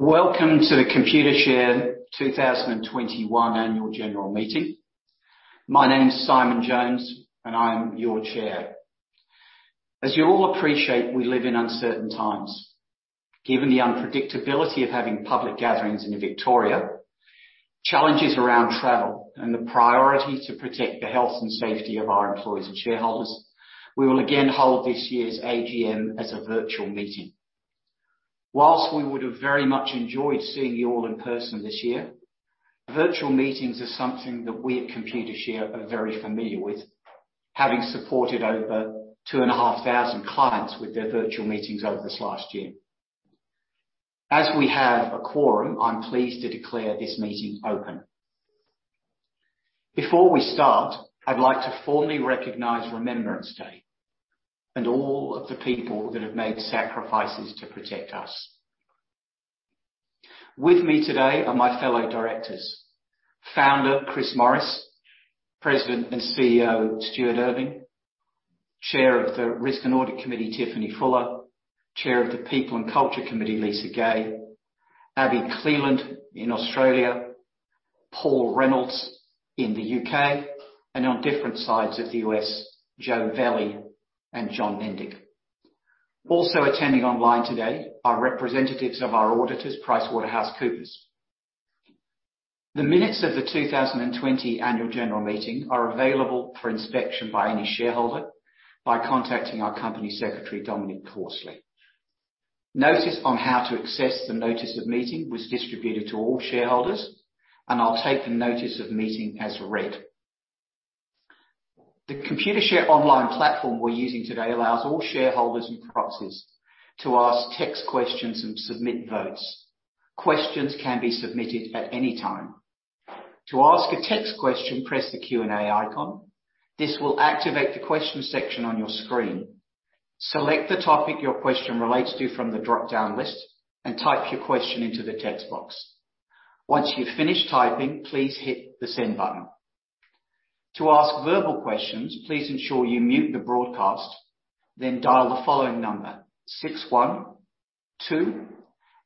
Welcome to the Computershare 2021 Annual General Meeting. My name is Simon Jones, and I am your Chair. As you all appreciate, we live in uncertain times. Given the unpredictability of having public gatherings in Victoria, challenges around travel and the priority to protect the health and safety of our employees and shareholders, we will again hold this year's AGM as a virtual meeting. While we would have very much enjoyed seeing you all in person this year, virtual meetings is something that we at Computershare are very familiar with, having supported over 2,500 clients with their virtual meetings over this last year. As we have a quorum, I'm pleased to declare this meeting open. Before we start, I'd like to formally recognize Remembrance Day and all of the people that have made sacrifices to protect us. With me today are my fellow directors, Founder, Chris Morris; President and CEO, Stuart Irving; Chair of the Risk and Audit Committee, Tiffany Fuller; Chair of the People and Culture Committee, Lisa Gay; Abi Cleland in Australia; Paul Reynolds in the U.K., and on different sides of the U.S., Joe Velli and John Nendick. Also attending online today are representatives of our auditors, PricewaterhouseCoopers. The minutes of the 2020 annual general meeting are available for inspection by any shareholder by contacting our Company Secretary, Dominic Horsley. Notice on how to access the notice of meeting was distributed to all shareholders, and I'll take the notice of meeting as read. The Computershare online platform we're using today allows all shareholders and proxies to ask text questions and submit votes. Questions can be submitted at any time. To ask a text question, press the Q&A icon. This will activate the questions section on your screen. Select the topic your question relates to from the dropdown list and type your question into the text box. Once you've finished typing, please hit the Send button. To ask verbal questions, please ensure you mute the broadcast, then dial the following number,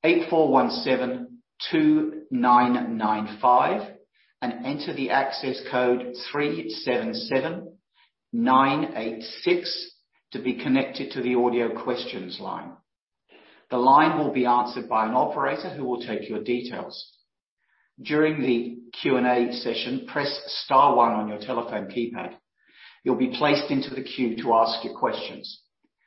612-841-72995, and enter the access code, 377-986, to be connected to the audio questions line. The line will be answered by an operator who will take your details. During the Q&A session, press star one on your telephone keypad. You'll be placed into the queue to ask your questions.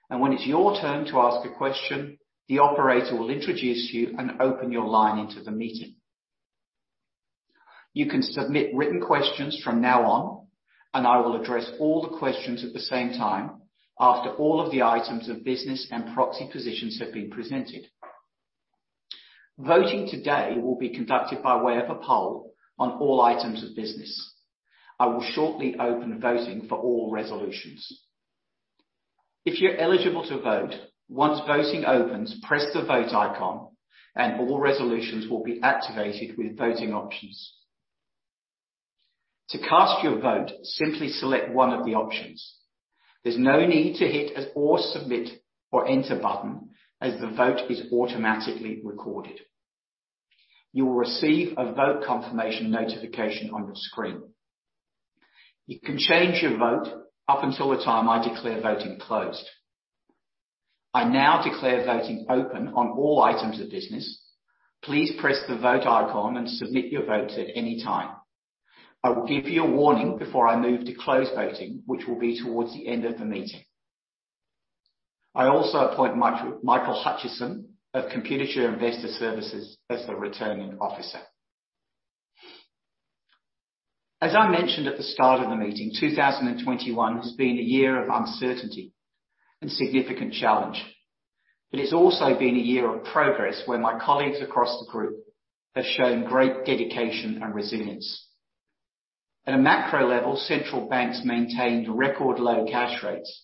When it's your turn to ask a question, the operator will introduce you and open your line into the meeting. You can submit written questions from now on, and I will address all the questions at the same time after all of the items of business and proxy positions have been presented. Voting today will be conducted by way of a poll on all items of business. I will shortly open voting for all resolutions. If you're eligible to vote, once voting opens, press the Vote icon and all resolutions will be activated with voting options. To cast your vote, simply select one of the options. There's no need to hit submit or Enter button as the vote is automatically recorded. You will receive a vote confirmation notification on your screen. You can change your vote up until the time I declare voting closed. I now declare voting open on all items of business. Please press the Vote icon and submit your votes at any time. I will give you a warning before I move to close voting, which will be towards the end of the meeting. I also appoint Michael Hutchison of Computershare Investor Services as the Returning Officer. As I mentioned at the start of the meeting, 2021 has been a year of uncertainty and significant challenge, but it's also been a year of progress where my colleagues across the group have shown great dedication and resilience. At a macro level, central banks maintained record low cash rates,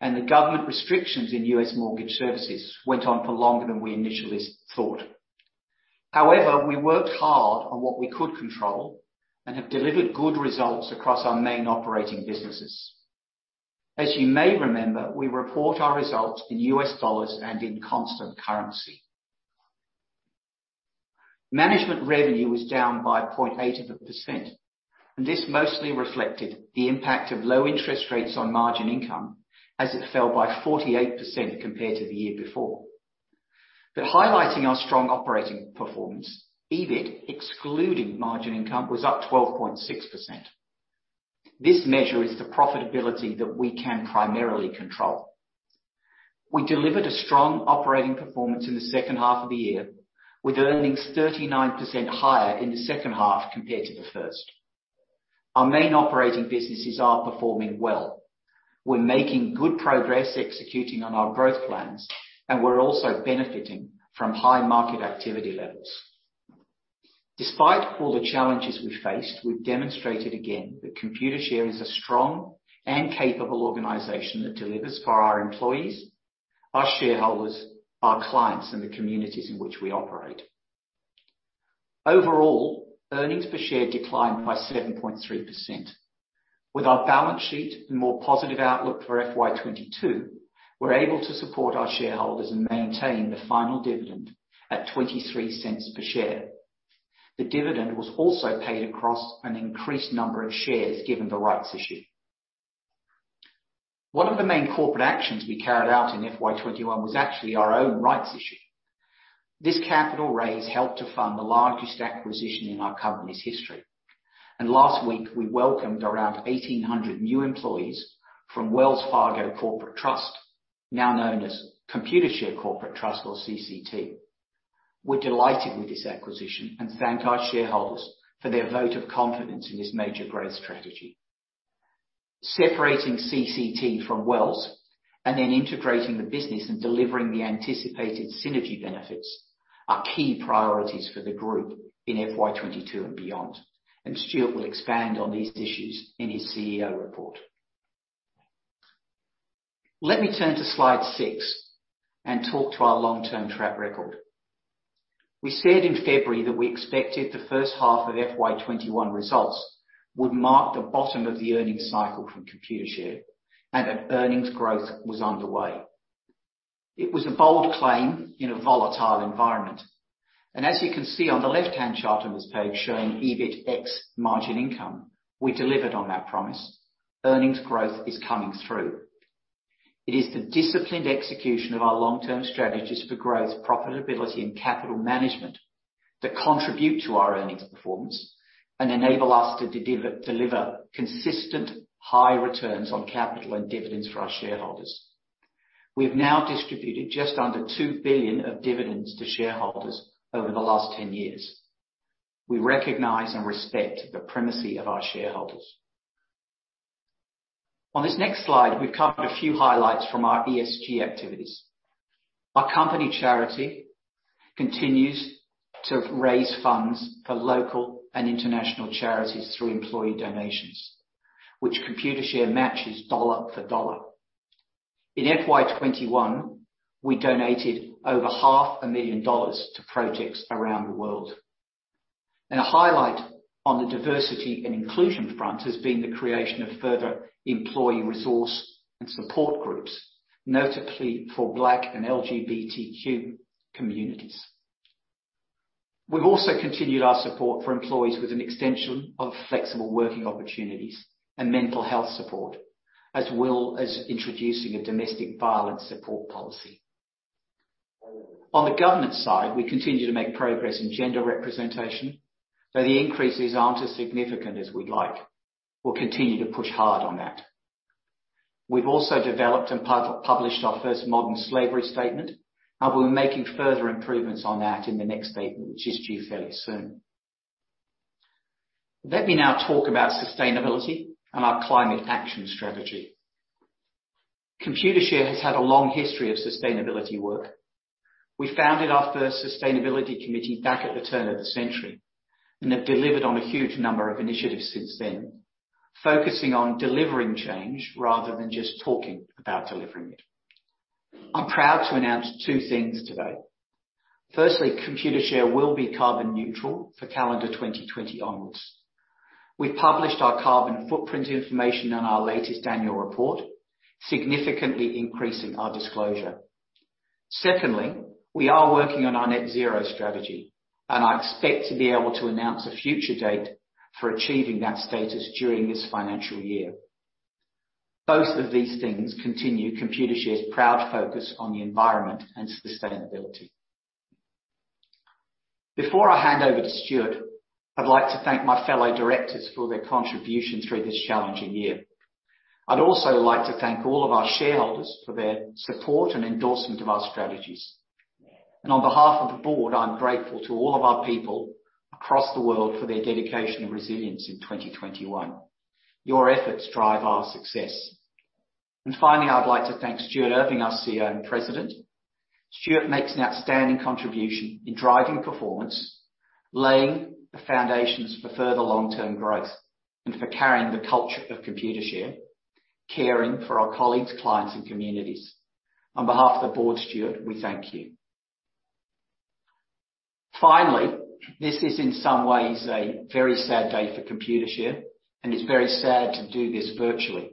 and the government restrictions in U.S. mortgage services went on for longer than we initially thought. However, we worked hard on what we could control and have delivered good results across our main operating businesses. As you may remember, we report our results in U.S. dollars and in constant currency. Management revenue was down by 0.8%, and this mostly reflected the impact of low interest rates on margin income as it fell by 48% compared to the year before. Highlighting our strong operating performance, EBIT, excluding margin income, was up 12.6%. This measure is the profitability that we can primarily control. We delivered a strong operating performance in the second half of the year, with earnings 39% higher in the second half compared to the first. Our main operating businesses are performing well. We're making good progress executing on our growth plans, and we're also benefiting from high market activity levels. Despite all the challenges we faced, we've demonstrated again that Computershare is a strong and capable organization that delivers for our employees, our shareholders, our clients, and the communities in which we operate. Overall, earnings per share declined by 7.3%. With our balance sheet and more positive outlook for FY 2022, we're able to support our shareholders and maintain the final dividend at $0.23 per share. The dividend was also paid across an increased number of shares given the rights issue. One of the main corporate actions we carried out in FY 2021 was actually our own rights issue. This capital raise helped to fund the largest acquisition in our company's history. Last week, we welcomed around 1,800 new employees from Wells Fargo Corporate Trust, now known as Computershare Corporate Trust or CCT. We're delighted with this acquisition and thank our shareholders for their vote of confidence in this major growth strategy. Separating CCT from Wells Fargo and then integrating the business and delivering the anticipated synergy benefits are key priorities for the group in FY 2022 and beyond. Stuart will expand on these issues in his CEO report. Let me turn to slide six and talk to our long-term track record. We said in February that we expected the first half of FY 2021 results would mark the bottom of the earnings cycle from Computershare, and that earnings growth was underway. It was a bold claim in a volatile environment. As you can see on the left-hand chart on this page showing EBIT ex MI, we delivered on that promise. Earnings growth is coming through. It is the disciplined execution of our long-term strategies for growth, profitability and capital management that contribute to our earnings performance and enable us to deliver consistent high returns on capital and dividends for our shareholders. We have now distributed just under $2 billion of dividends to shareholders over the last 10 years. We recognize and respect the primacy of our shareholders. On this next slide, we've covered a few highlights from our ESG activities. Our company charity continues to raise funds for local and international charities through employee donations, which Computershare matches dollar for dollar. In FY 2021, we donated over half a million dollars to projects around the world. A highlight on the diversity and inclusion front has been the creation of further employee resource and support groups, notably for Black and LGBTQ communities. We've also continued our support for employees with an extension of flexible working opportunities and mental health support, as well as introducing a domestic violence support policy. On the government side, we continue to make progress in gender representation, though the increases aren't as significant as we'd like. We'll continue to push hard on that. We've also developed and published our first modern slavery statement, and we'll be making further improvements on that in the next statement, which is due fairly soon. Let me now talk about sustainability and our climate action strategy. Computershare has had a long history of sustainability work. We founded our first sustainability committee back at the turn of the century, and have delivered on a huge number of initiatives since then, focusing on delivering change rather than just talking about delivering it. I'm proud to announce two things today. Firstly, Computershare will be carbon neutral for calendar 2020 onwards. We published our carbon footprint information in our latest annual report, significantly increasing our disclosure. Secondly, we are working on our net zero strategy, and I expect to be able to announce a future date for achieving that status during this financial year. Both of these things continue Computershare's proud focus on the environment and sustainability. Before I hand over to Stuart, I'd like to thank my fellow directors for their contribution through this challenging year. I'd also like to thank all of our shareholders for their support and endorsement of our strategies. On behalf of the board, I'm grateful to all of our people across the world for their dedication and resilience in 2021. Your efforts drive our success. Finally, I would like to thank Stuart Irving, our CEO and President. Stuart makes an outstanding contribution in driving performance, laying the foundations for further long-term growth, and for carrying the culture of Computershare, caring for our colleagues, clients, and communities. On behalf of the board, Stuart, we thank you. Finally, this is in some ways a very sad day for Computershare, and it's very sad to do this virtually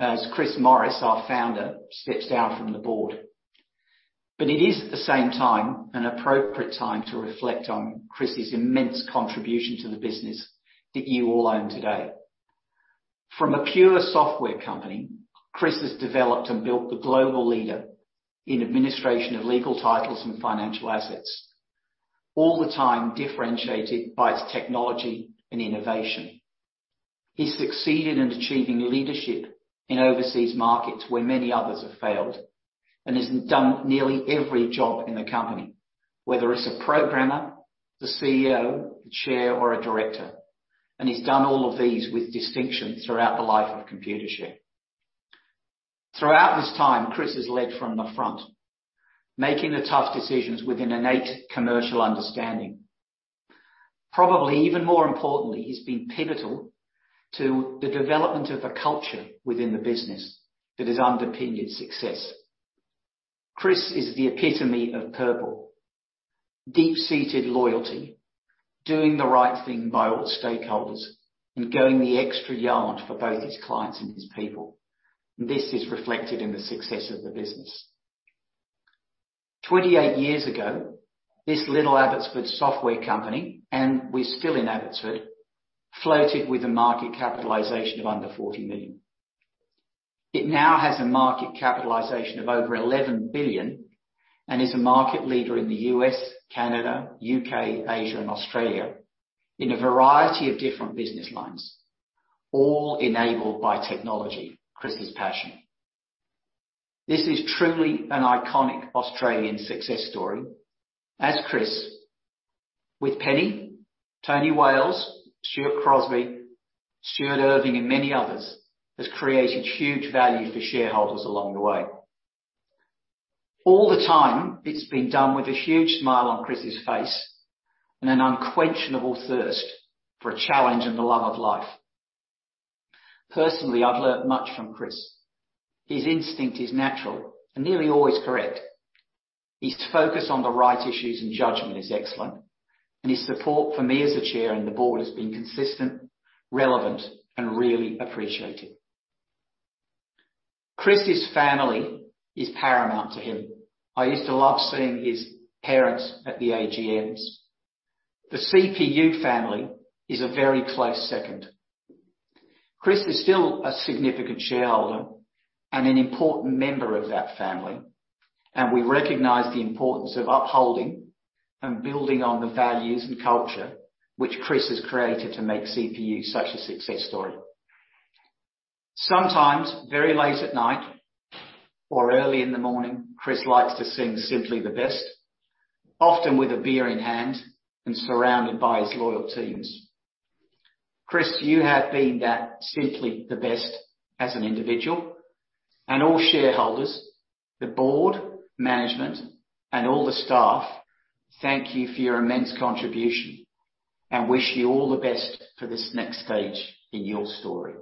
as Chris Morris, our founder, steps down from the board. It is at the same time an appropriate time to reflect on Chris' immense contribution to the business that you all own today. From a pure software company, Chris has developed and built the global leader in administration of legal titles and financial assets, all the time differentiated by its technology and innovation. He succeeded in achieving leadership in overseas markets where many others have failed and has done nearly every job in the company, whether as a programmer, the CEO, the Chair or a director. He's done all of these with distinction throughout the life of Computershare. Throughout this time, Chris has led from the front, making the tough decisions with an innate commercial understanding. Probably even more importantly, he's been pivotal to the development of a culture within the business that has underpinned its success. Chris is the epitome of purple, deep-seated loyalty, doing the right thing by all stakeholders, and going the extra yard for both his clients and his people. This is reflected in the success of the business. 28 years ago, this little Abbotsford software company, and we're still in Abbotsford, floated with a market capitalization of under 40 million. It now has a market capitalization of over 11 billion and is a market leader in the U.S., Canada, U.K., Asia, and Australia in a variety of different business lines, all enabled by technology, Chris's passion. This is truly an iconic Australian success story as Chris, with Penny, Tony Wales, Stuart Crosby, Stuart Irving, and many others, has created huge value for shareholders along the way. All the time it's been done with a huge smile on Chris's face and an unquenchable thirst for a challenge and the love of life. Personally, I've learned much from Chris. His instinct is natural and nearly always correct. His focus on the right issues and judgment is excellent, and his support for me as a chair and the board has been consistent, relevant, and really appreciated. Chris's family is paramount to him. I used to love seeing his parents at the AGMs. The CPU family is a very close second. Chris is still a significant shareholder and an important member of that family, and we recognize the importance of upholding and building on the values and culture which Chris has created to make CPU such a success story. Sometimes very late at night or early in the morning, Chris likes to sing Simply the Best, often with a beer in hand and surrounded by his loyal teams. Chris, you have been that simply the best as an individual and all shareholders, the board, management, and all the staff thank you for your immense contribution and wish you all the best for this next stage in your story.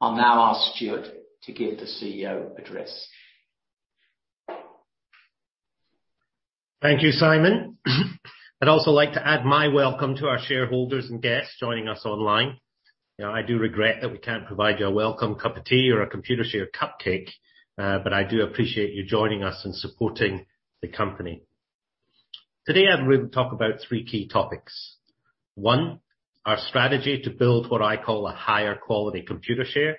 I'll now ask Stuart to give the CEO address. Thank you, Simon. I'd also like to add my welcome to our shareholders and guests joining us online. You know, I do regret that we can't provide you a welcome cup of tea or a Computershare cupcake, but I do appreciate you joining us and supporting the company. Today, I'm going to talk about three key topics. One, our strategy to build what I call a higher quality Computershare.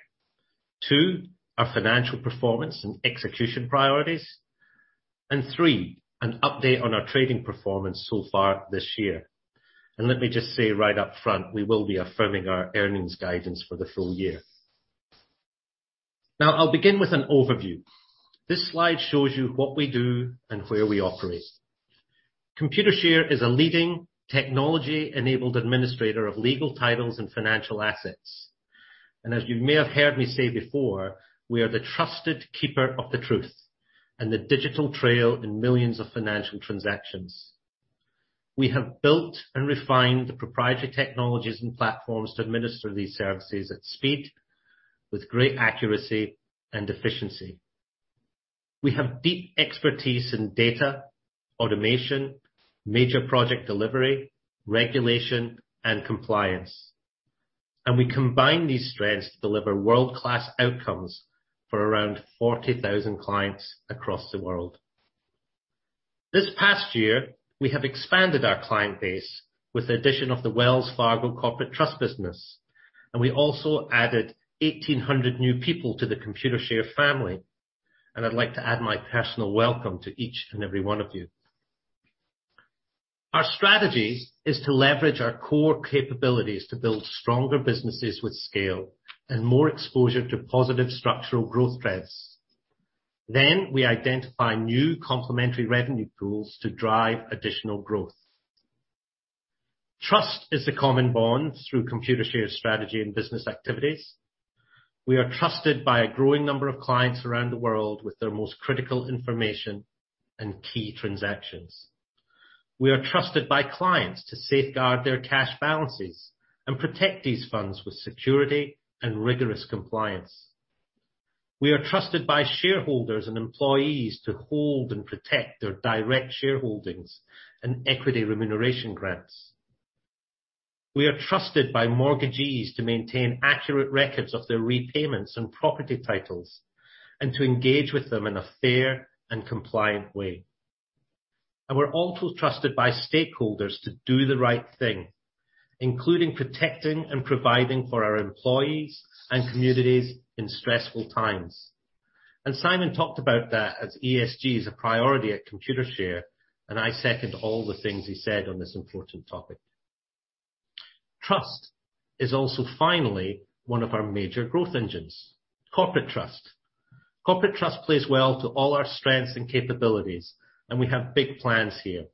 Two, our financial performance and execution priorities. And three, an update on our trading performance so far this year. Let me just say right up front, we will be affirming our earnings guidance for the full year. Now, I'll begin with an overview. This slide shows you what we do and where we operate. Computershare is a leading technology-enabled administrator of legal titles and financial assets. As you may have heard me say before, we are the trusted keeper of the truth and the digital trail in millions of financial transactions. We have built and refined the proprietary technologies and platforms to administer these services at speed with great accuracy and efficiency. We have deep expertise in data, automation, major project delivery, regulation, and compliance, and we combine these strengths to deliver world-class outcomes for around 40,000 clients across the world. This past year, we have expanded our client base with the addition of the Wells Fargo Corporate Trust business, and we also added 1,800 new people to the Computershare family, and I'd like to add my personal welcome to each and every one of you. Our strategy is to leverage our core capabilities to build stronger businesses with scale and more exposure to positive structural growth trends. We identify new complementary revenue pools to drive additional growth. Trust is the common bond through Computershare's strategy and business activities. We are trusted by a growing number of clients around the world with their most critical information and key transactions. We are trusted by clients to safeguard their cash balances and protect these funds with security and rigorous compliance. We are trusted by shareholders and employees to hold and protect their direct shareholdings and equity remuneration grants. We are trusted by mortgagees to maintain accurate records of their repayments and property titles and to engage with them in a fair and compliant way. We're also trusted by stakeholders to do the right thing, including protecting and providing for our employees and communities in stressful times. Simon talked about that, as ESG is a priority at Computershare, and I second all the things he said on this important topic. Trust is also finally one of our major growth engines. Corporate Trust. Corporate Trust plays well to all our strengths and capabilities, and we have big plans here.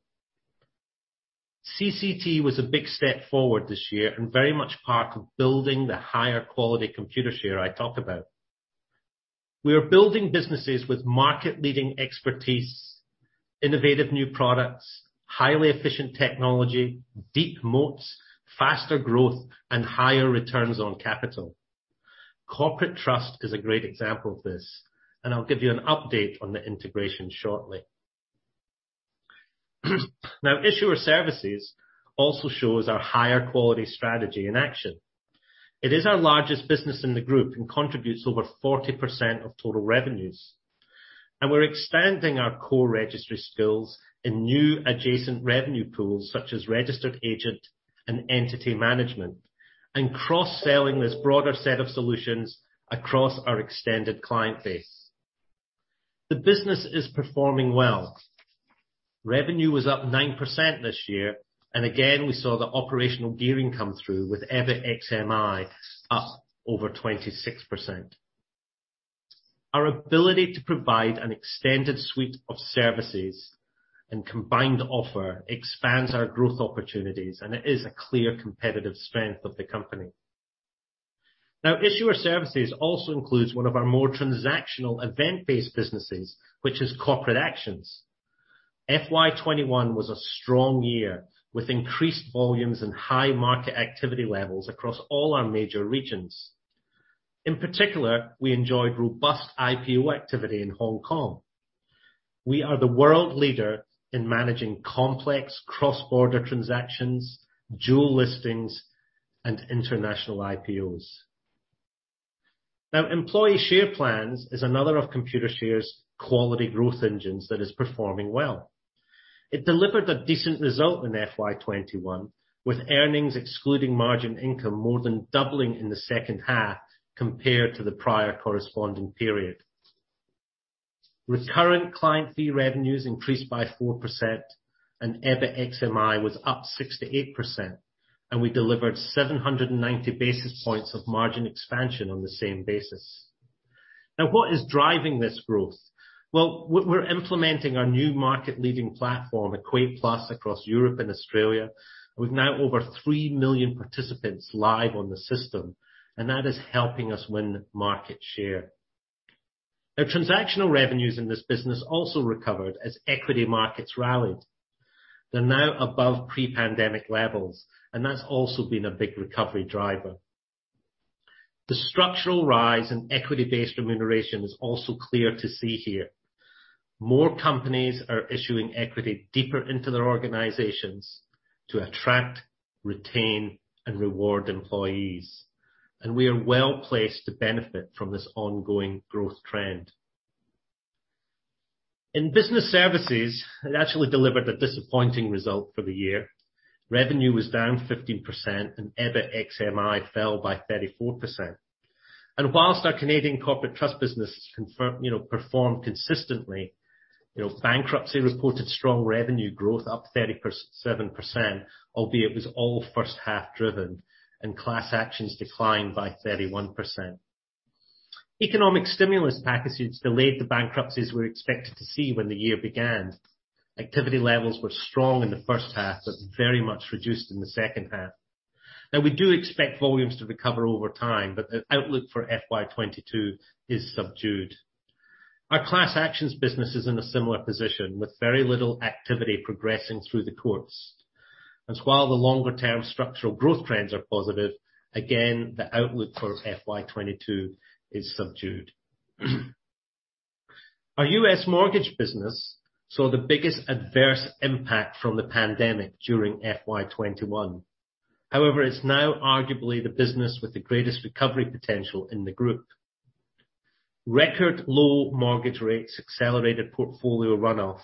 CCT was a big step forward this year and very much part of building the higher quality Computershare I talk about. We are building businesses with market-leading expertise. Innovative new products, highly efficient technology, deep moats, faster growth, and higher returns on capital. Corporate Trust is a great example of this, and I'll give you an update on the integration shortly. Now, Issuer Services also shows our higher quality strategy in action. It is our largest business in the group and contributes over 40% of total revenues. We're expanding our core registry skills in new adjacent revenue pools, such as registered agent and entity management, and cross-selling this broader set of solutions across our extended client base. The business is performing well. Revenue was up 9% this year, and again, we saw the operational gearing come through with EBIT ex MI up over 26%. Our ability to provide an extended suite of services and combined offer expands our growth opportunities, and it is a clear competitive strength of the company. Now, Issuer Services also includes one of our more transactional event-based businesses, which is Corporate Actions. FY 2021 was a strong year with increased volumes and high market activity levels across all our major regions. In particular, we enjoyed robust IPO activity in Hong Kong. We are the world leader in managing complex cross-border transactions, dual listings, and international IPOs. Now, Employee Share Plans is another of Computershare's quality growth engines that is performing well. It delivered a decent result in FY 2021, with earnings excluding margin income more than doubling in the second half compared to the prior corresponding period. Recurrent client fee revenues increased by 4% and EBIT ex MI was up 68%, and we delivered 790 basis points of margin expansion on the same basis. Now, what is driving this growth? Well, we're implementing our new market-leading platform, Equate Plus, across Europe and Australia. We've now over three million participants live on the system, and that is helping us win market share. Our transactional revenues in this business also recovered as equity markets rallied. They're now above pre-pandemic levels, and that's also been a big recovery driver. The structural rise in equity-based remuneration is also clear to see here. More companies are issuing equity deeper into their organizations to attract, retain, and reward employees, and we are well-placed to benefit from this ongoing growth trend. In Business Services, it actually delivered a disappointing result for the year. Revenue was down 15% and EBIT ex MI fell by 34%. While our Canadian Corporate Trust business, you know, performed consistently, you know, Bankruptcy reported strong revenue growth, up 37%, albeit it was all first half driven and Class Actions declined by 31%. Economic stimulus packages delayed the bankruptcies we're expected to see when the year began. Activity levels were strong in the first half, but very much reduced in the second half. Now, we do expect volumes to recover over time, but the outlook for FY 2022 is subdued. Our Class Actions business is in a similar position, with very little activity progressing through the courts, as while the longer term structural growth trends are positive, again, the outlook for FY 2022 is subdued. Our U.S. mortgage business saw the biggest adverse impact from the pandemic during FY 2021. However, it's now arguably the business with the greatest recovery potential in the group. Record low mortgage rates accelerated portfolio run-off,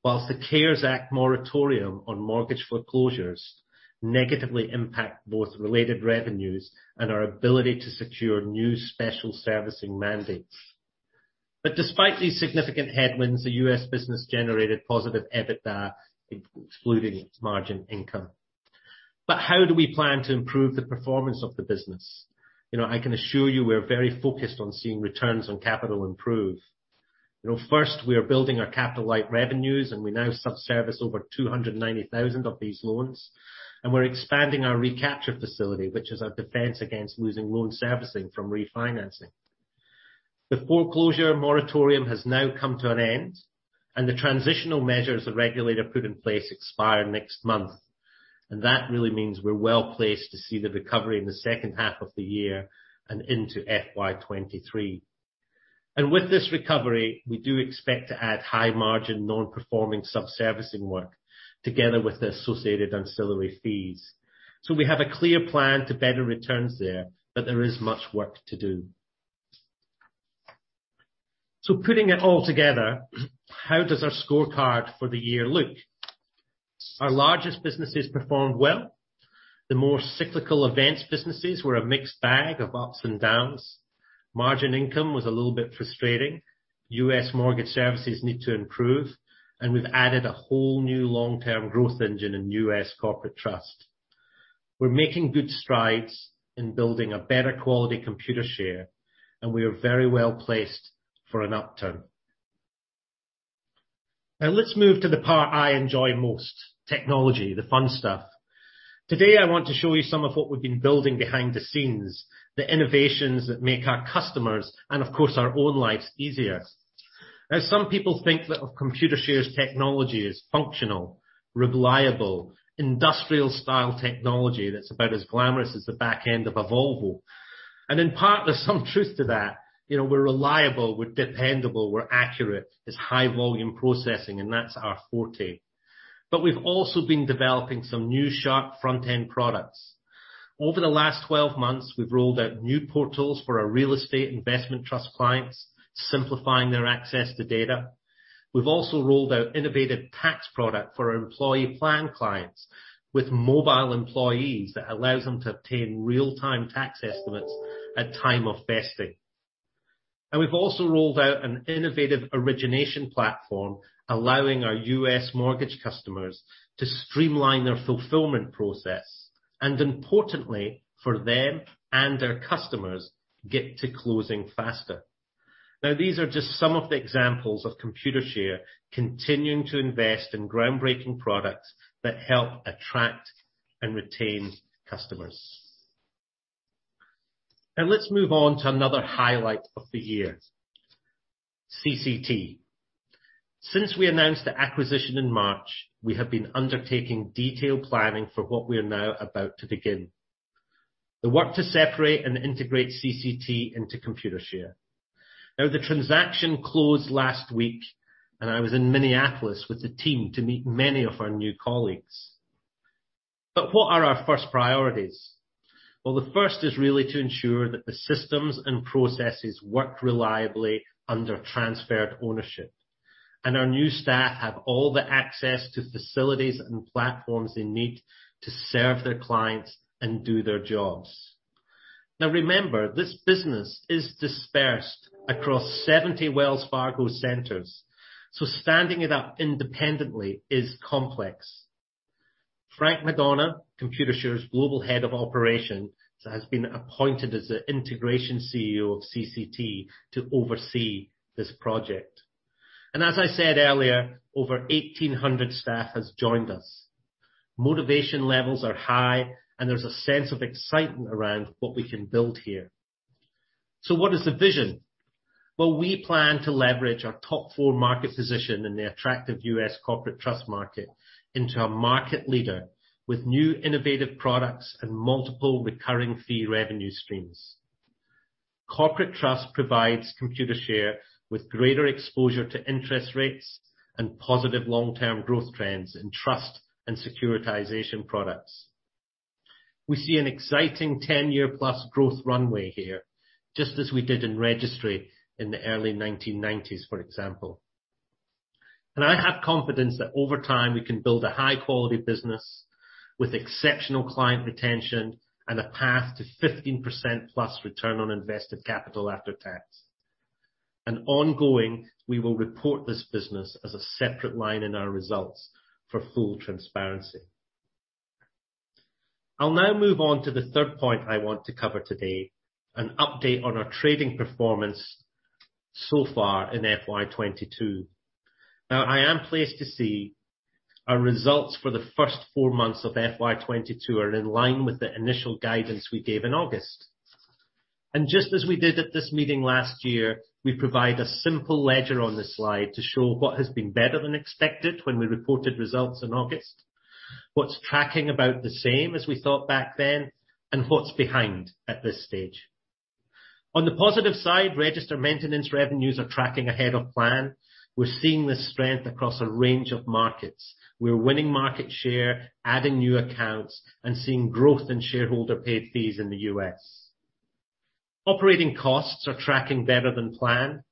while the CARES Act moratorium on mortgage foreclosures negatively impact both related revenues and our ability to secure new special servicing mandates. Despite these significant headwinds, the U.S. business generated positive EBITDA, excluding its margin income. How do we plan to improve the performance of the business? You know, I can assure you we're very focused on seeing returns on capital improve. You know, first, we are building our capital light revenues, and we now subservice over 290,000 of these loans, and we're expanding our recapture facility, which is our defense against losing loan servicing from refinancing. The foreclosure moratorium has now come to an end, and the transitional measures the regulator put in place expire next month. That really means we're well-placed to see the recovery in the second half of the year and into FY 2023. With this recovery, we do expect to add high margin, non-performing sub-servicing work together with the associated ancillary fees. We have a clear plan to better returns there, but there is much work to do. Putting it all together, how does our scorecard for the year look? Our largest businesses performed well. The more cyclical events businesses were a mixed bag of ups and downs. Margin income was a little bit frustrating. U.S. mortgage services need to improve, and we've added a whole new long-term growth engine in U.S. Corporate Trust. We're making good strides in building a better quality Computershare, and we are very well-placed for an upturn. Now let's move to the part I enjoy most, technology, the fun stuff. Today, I want to show you some of what we've been building behind the scenes, the innovations that make our customers and, of course, our own lives easier. Now, some people think that of Computershare's technology is functional, reliable, industrial style technology that's about as glamorous as the back end of a Volvo. In part, there's some truth to that. You know, we're reliable, we're dependable, we're accurate, as high-volume processing, and that's our forte. We've also been developing some new sharp front-end products. Over the last 12 months, we've rolled out new portals for our real estate investment trust clients, simplifying their access to data. We've also rolled out innovative tax product for our employee plan clients with mobile employees that allows them to obtain real-time tax estimates at time of vesting. We've also rolled out an innovative origination platform, allowing our U.S. mortgage customers to streamline their fulfillment process, and importantly, for them and their customers, get to closing faster. Now, these are just some of the examples of Computershare continuing to invest in groundbreaking products that help attract and retain customers. Now, let's move on to another highlight of the year, CCT. Since we announced the acquisition in March, we have been undertaking detailed planning for what we are now about to begin. The work to separate and integrate CCT into Computershare. Now, the transaction closed last week, and I was in Minneapolis with the team to meet many of our new colleagues. What are our first priorities? Well, the first is really to ensure that the systems and processes work reliably under transferred ownership, and our new staff have all the access to facilities and platforms they need to serve their clients and do their jobs. Now, remember, this business is dispersed across 70 Wells Fargo centers, so standing it up independently is complex. Frank Madonna, Computershare's Global Head of Operations, has been appointed as the Integration CEO of CCT to oversee this project. As I said earlier, over 1,800 staff has joined us. Motivation levels are high, and there's a sense of excitement around what we can build here. What is the vision? Well, we plan to leverage our top four market position in the attractive U.S. corporate trust market into a market leader with new innovative products and multiple recurring fee revenue streams. Corporate Trust provides Computershare with greater exposure to interest rates and positive long-term growth trends in trust and securitization products. We see an exciting 10-year+ growth runway here, just as we did in registry in the early 1990s, for example. I have confidence that over time, we can build a high-quality business with exceptional client retention and a path to 15%+ return on invested capital after tax. Ongoing, we will report this business as a separate line in our results for full transparency. I'll now move on to the third point I want to cover today, an update on our trading performance so far in FY 2022. Now, I am pleased to see our results for the first four months of FY 2022 are in line with the initial guidance we gave in August. Just as we did at this meeting last year, we provide a simple ledger on this slide to show what has been better than expected when we reported results in August, what's tracking about the same as we thought back then, and what's behind at this stage. On the positive side, register maintenance revenues are tracking ahead of plan. We're seeing the strength across a range of markets. We're winning market share, adding new accounts, and seeing growth in shareholder paid fees in the U.S. Operating costs are tracking better than plan.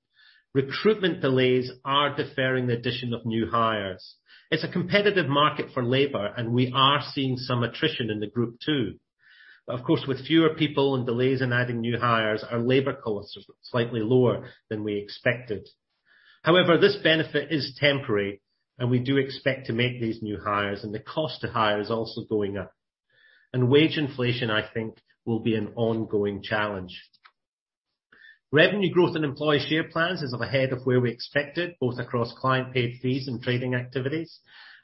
Recruitment delays are deferring the addition of new hires. It's a competitive market for labor, and we are seeing some attrition in the group too. Of course, with fewer people and delays in adding new hires, our labor costs are slightly lower than we expected. However, this benefit is temporary, and we do expect to make these new hires, and the cost to hire is also going up. Wage inflation, I think, will be an ongoing challenge. Revenue growth in Employee Share Plans is ahead of where we expected, both across client-paid fees and trading activities.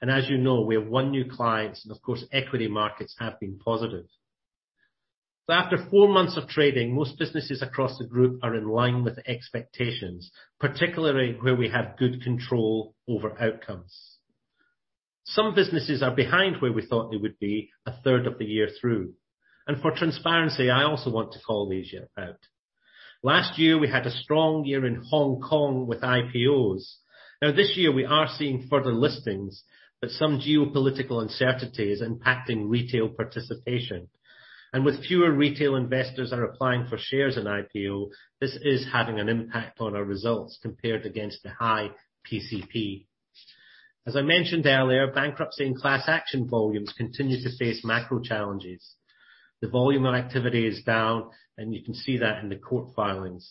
As you know, we have one new client, and of course, equity markets have been positive. After four months of trading, most businesses across the group are in line with expectations, particularly where we have good control over outcomes. Some businesses are behind where we thought they would be a third of the year through. For transparency, I also want to call these out. Last year, we had a strong year in Hong Kong with IPOs. Now this year, we are seeing further listings, but some geopolitical uncertainty is impacting retail participation. With fewer retail investors are applying for shares in IPO, this is having an impact on our results compared against the high PCP. As I mentioned earlier, Bankruptcy and Class Actions volumes continue to face macro challenges. The volume of activity is down, and you can see that in the court filings.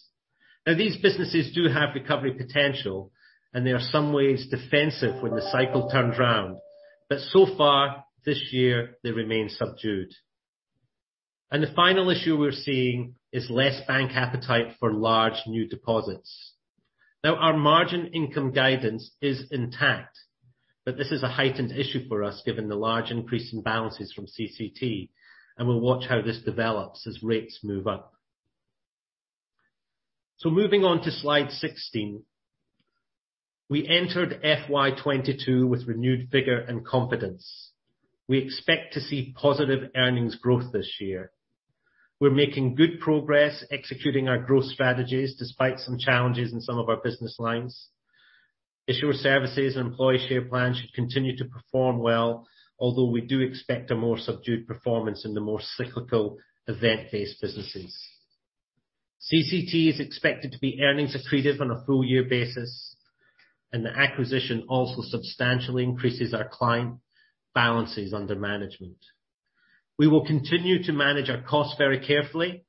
Now, these businesses do have recovery potential, and they are somewhat defensive when the cycle turns around. So far this year, they remain subdued. The final issue we're seeing is less bank appetite for large new deposits. Now, our margin income guidance is intact, but this is a heightened issue for us given the large increase in balances from CCT, and we'll watch how this develops as rates move up. Moving on to slide 16. We entered FY 2022 with renewed vigor and confidence. We expect to see positive earnings growth this year. We're making good progress executing our growth strategies despite some challenges in some of our business lines. Issuer Services and Employee Share Plans should continue to perform well, although we do expect a more subdued performance in the more cyclical event-based businesses. CCT is expected to be earnings accretive on a full year basis, and the acquisition also substantially increases our client balances under management. We will continue to manage our costs very carefully.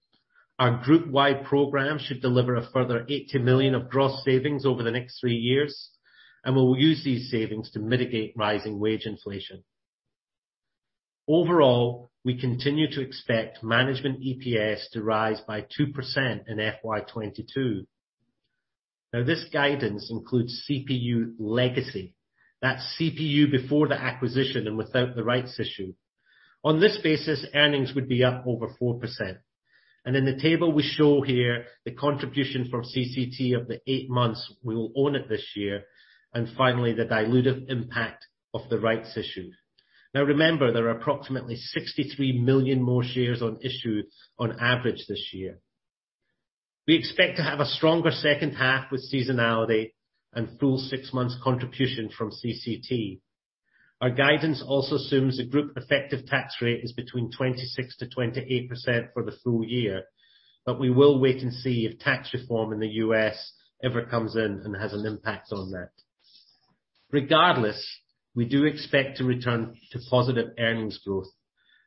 Our group-wide program should deliver a further 80 million of gross savings over the next three years, and we will use these savings to mitigate rising wage inflation. Overall, we continue to expect management EPS to rise by 2% in FY 2022. Now, this guidance includes CPU legacy. That's CPU before the acquisition and without the rights issue. On this basis, earnings would be up over 4%. In the table we show here the contribution from CCT of the eight months we will own it this year, and finally, the dilutive impact of the rights issue. Now remember, there are approximately 63 million more shares on issue on average this year. We expect to have a stronger second half with seasonality and full six months contribution from CCT. Our guidance also assumes the group effective tax rate is between 26%-28% for the full year, but we will wait and see if tax reform in the U.S. ever comes in and has an impact on that. Regardless, we do expect to return to positive earnings growth,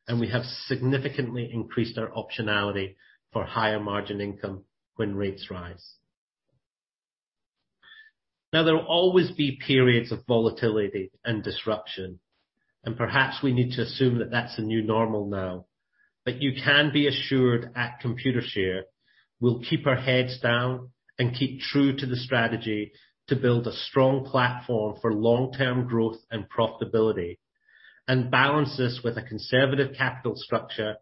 and we have significantly increased our optionality for higher margin income when rates rise. Now, there will always be periods of volatility and disruption, and perhaps we need to assume that that's the new normal now. But you can be assured at Computershare, we'll keep our heads down and keep true to the strategy to build a strong platform for long-term growth and profitability, and balance this with a conservative capital structure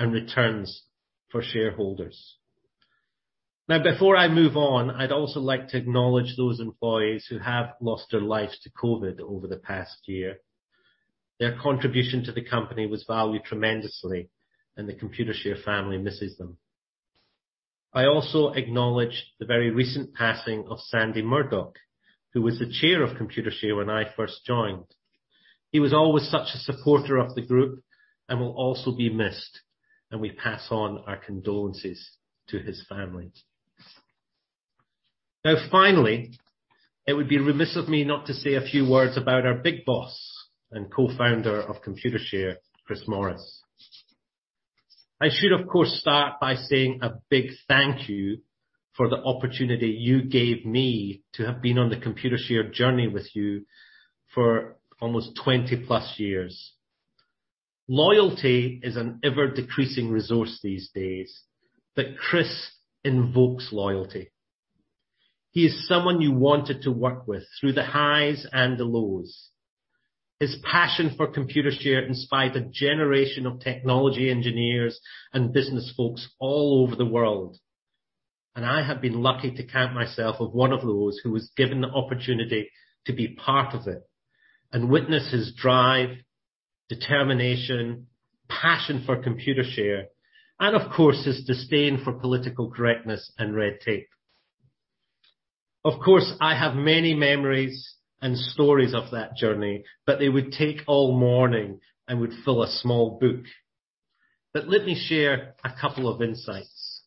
and returns for shareholders. Now, before I move on, I'd also like to acknowledge those employees who have lost their lives to COVID over the past year. Their contribution to the company was valued tremendously, and the Computershare family misses them. I also acknowledge the very recent passing of Sandy Murdoch, who was the Chair of Computershare when I first joined. He was always such a supporter of the group and will also be missed, and we pass on our condolences to his family. Now, finally, it would be remiss of me not to say a few words about our big boss and co-founder of Computershare, Chris Morris. I should, of course, start by saying a big thank you for the opportunity you gave me to have been on the Computershare journey with you for almost 20+ years. Loyalty is an ever-decreasing resource these days, but Chris invokes loyalty. He is someone you wanted to work with through the highs and the lows. His passion for Computershare inspired a generation of technology engineers and business folks all over the world, and I have been lucky to count myself as one of those who was given the opportunity to be part of it and witness his drive, determination, passion for Computershare, and of course, his disdain for political correctness and red tape. Of course, I have many memories and stories of that journey, but they would take all morning and would fill a small book. Let me share a couple of insights.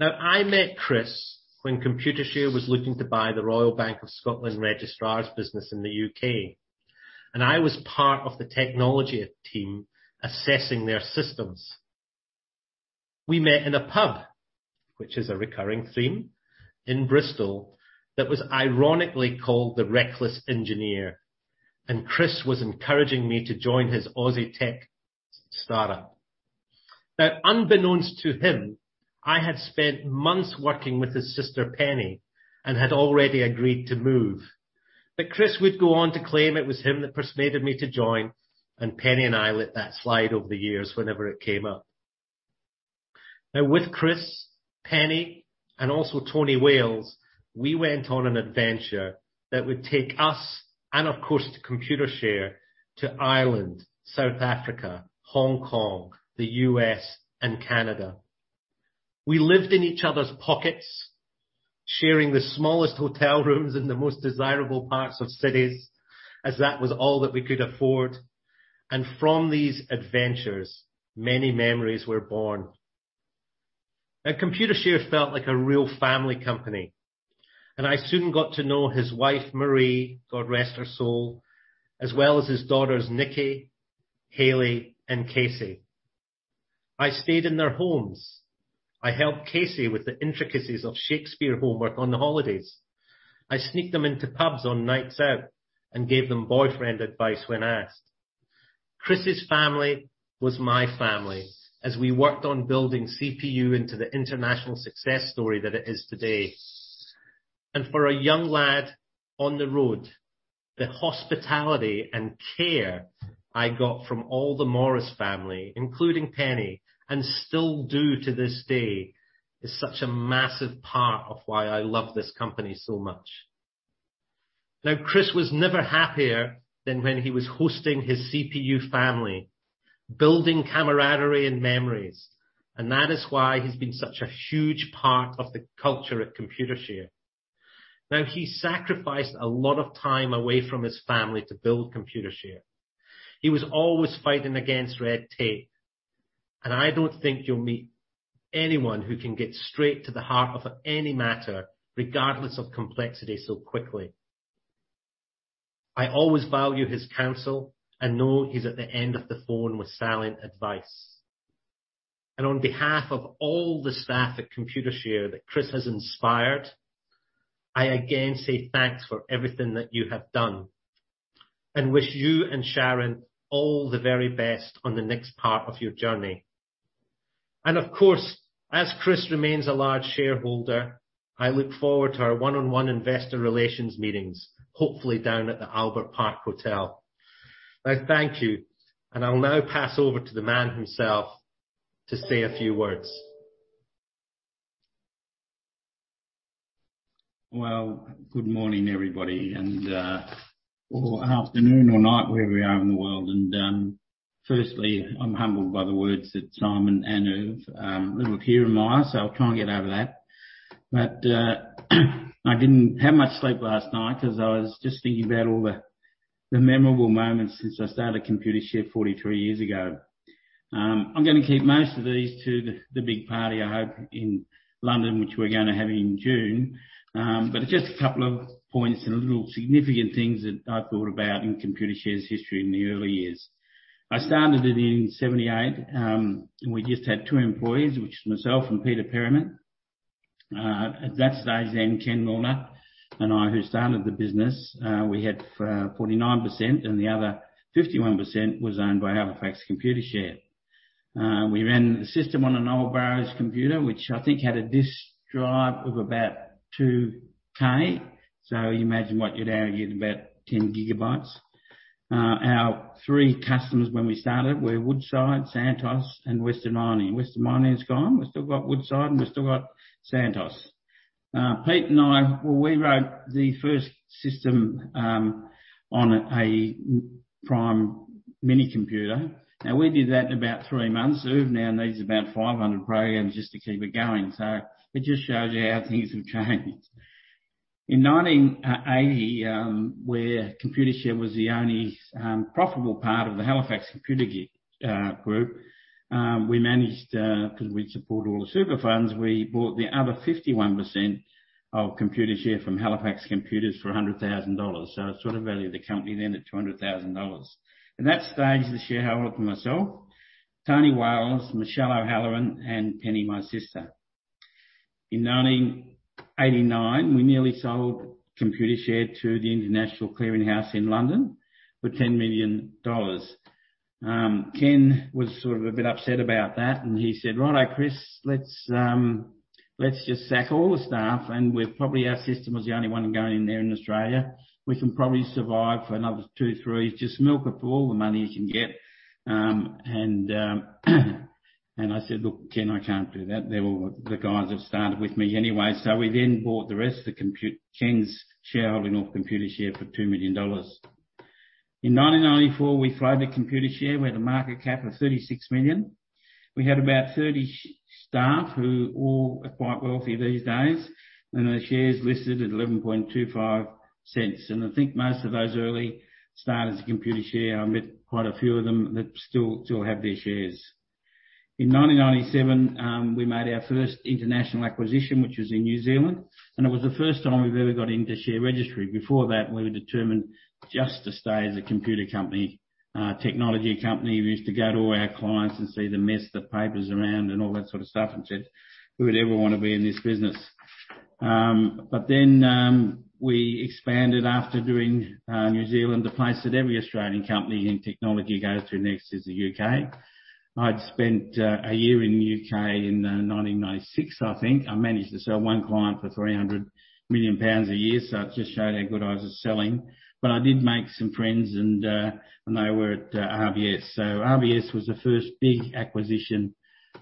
Now, I met Chris when Computershare was looking to buy the Royal Bank of Scotland registrar's business in the U.K., and I was part of the technology team assessing their systems. We met in a pub, which is a recurring theme, in Bristol, that was ironically called The Reckless Engineer, and Chris was encouraging me to join his Aussie tech startup. Now, unbeknownst to him, I had spent months working with his sister, Penny, and had already agreed to move. Chris would go on to claim it was him that persuaded me to join, and Penny and I let that slide over the years whenever it came up. Now, with Chris, Penny, and also Tony Wales, we went on an adventure that would take us, and of course Computershare, to Ireland, South Africa, Hong Kong, the U.S., and Canada. We lived in each other's pockets, sharing the smallest hotel rooms in the most desirable parts of cities, as that was all that we could afford. From these adventures, many memories were born. Now, Computershare felt like a real family company, and I soon got to know his wife, Marie, God rest her soul, as well as his daughters, Nikki, Hayley, and Casey. I stayed in their homes. I helped Casey with the intricacies of Shakespeare homework on holidays. I sneaked them into pubs on nights out and gave them boyfriend advice when asked. Chris's family was my family as we worked on building CPU into the international success story that it is today. For a young lad on the road, the hospitality and care I got from all the Morris family, including Penny, and still do to this day, is such a massive part of why I love this company so much. Now, Chris was never happier than when he was hosting his CPU family, building camaraderie and memories, and that is why he's been such a huge part of the culture at Computershare. Now, he sacrificed a lot of time away from his family to build Computershare. He was always fighting against red tape, and I don't think you'll meet anyone who can get straight to the heart of any matter, regardless of complexity, so quickly. I always value his counsel and know he's at the end of the phone with salient advice. On behalf of all the staff at Computershare that Chris has inspired, I again say thanks for everything that you have done, and wish you and Sharon all the very best on the next part of your journey. Of course, as Chris remains a large shareholder, I look forward to our one-on-one investor relations meetings, hopefully down at the Albert Park Hotel. I thank you, and I'll now pass over to the man himself to say a few words. Well, good morning, everybody, and or afternoon or night, wherever we are in the world. Firstly, I'm humbled by the words that Simon and Uwe, little tear in my eye, so I'll try and get over that. I didn't have much sleep last night 'cause I was just thinking about all the memorable moments since I started Computershare 43 years ago. I'm gonna keep most of these to the big party I have in London, which we're gonna have in June. Just a couple of points and little significant things that I've thought about in Computershare's history in the early years. I started it in 1978, and we just had two employees, which is myself and Peter Perriman. At that stage, Ken Milner and I, who started the business, we had 49%, and the other 51% was owned by Halifax Computershare. We ran the system on an old Burroughs computer, which I think had a disk drive of about 2K. You imagine what you'd have, you'd get about 10 GB. Our three customers when we started were Woodside, Santos and Western Mining. Western Mining is gone. We've still got Woodside, and we've still got Santos. Pete and I, we wrote the first system on a Prime minicomputer. Now, we did that in about three months. Uwe now needs about 500 programs just to keep it going. It just shows you how things have changed. In 1980, where Computershare was the only profitable part of the Halifax Computers group, we managed 'cause we'd support all the super funds. We bought the other 51% of Computershare from Halifax Computers for 100 thousand dollars. It sort of valued the company then at 200,000 dollars. At that stage, the shareholders were myself, Tony Wales, Michele O'Halloran and Penny, my sister. In 1989, we nearly sold Computershare to the International Clearing House in London for 10 million dollars. Ken was sort of a bit upset about that, and he said, "Right, Chris, let's just sack all the staff, our system was the only one going in there in Australia. We can probably survive for another two, three. Just milk it for all the money you can get." I said, "Look, Ken, I can't do that. They're all the guys that started with me anyway." We bought the rest of Ken's shareholding of Computershare for 2 million dollars. In 1994, we floated Computershare. We had a market cap of 36 million. We had about 30 staff who all are quite wealthy these days, and the shares listed at 0.1125. I think most of those early starters at Computershare, I met quite a few of them that still have their shares. In 1997, we made our first international acquisition, which was in New Zealand, and it was the first time we've ever got into share registry. Before that, we were determined just to stay as a computer company, technology company. We used to go to all our clients and see the mess, the papers around and all that sort of stuff, and said, "Who would ever wanna be in this business?" We expanded after doing New Zealand. The place that every Australian company in technology goes to next is the U.K. I'd spent a year in the U.K. in 1996, I think. I managed to sell one client for 300 million pounds a year. It just showed how good I was at selling. I did make some friends, and they were at RBS. RBS was the first big acquisition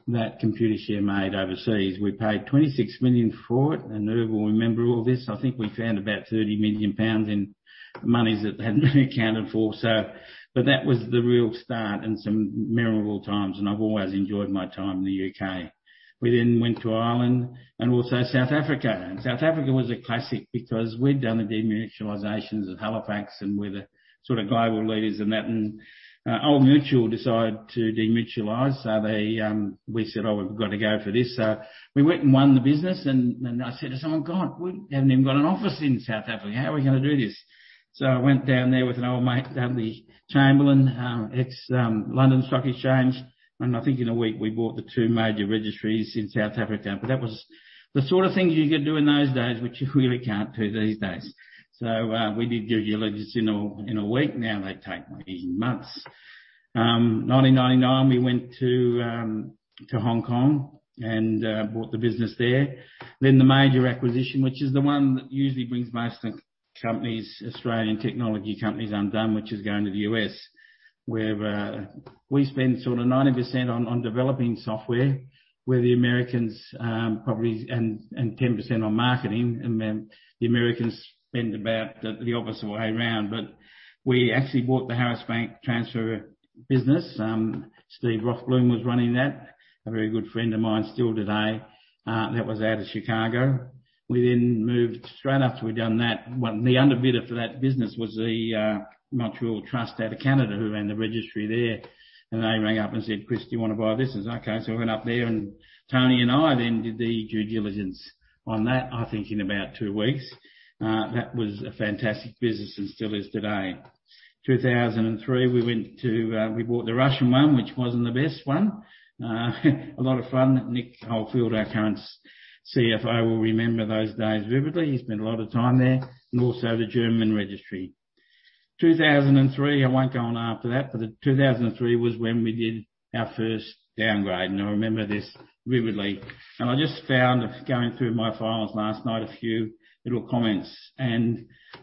that Computershare made overseas. We paid 26 million for it, and Uwe will remember all this. I think we found about 30 million pounds in monies that hadn't been accounted for. That was the real start and some memorable times, and I've always enjoyed my time in the U.K. We went to Ireland and also South Africa. South Africa was a classic because we'd done the demutualizations of Halifax, and we're the sort of global leaders in that. Old Mutual decided to demutualize. They. We said, "Oh, we've got to go for this." We went and won the business and I said to someone, "God, we haven't even got an office in South Africa. How are we gonna do this?" I went down there with an old mate, Dudley Chamberlain, ex London Stock Exchange, and I think in a week we bought the two major registries in South Africa. That was the sort of things you could do in those days, which you really can't do these days. We did due diligence in a week. Now they take maybe months. 1999, we went to Hong Kong and bought the business there. The major acquisition, which is the one that usually brings most companies, Australian technology companies undone, which is going to the U.S., where we spend sort of 90% on developing software, and 10% on marketing, and then the Americans spend about the opposite way around. We actually bought the Harris Bank transfer business. Steve Rothbloom was running that, a very good friend of mine still today, that was out of Chicago. We moved straight after we'd done that. Well, the underbidder for that business was the Montreal Trust out of Canada, who ran the registry there. They rang up and said, "Chris, do you wanna buy a business?" Okay. I went up there, and Tony and I then did the due diligence on that, I think, in about two weeks. That was a fantastic business and still is today. 2003, we went to, we bought the Russian one, which wasn't the best one. A lot of fun. Nick Oldfield, our current CFO, will remember those days vividly. He spent a lot of time there, and also the German registry. 2003, I won't go on after that, but the 2003 was when we did our first downgrade, and I remember this vividly. I just found, going through my files last night, a few little comments.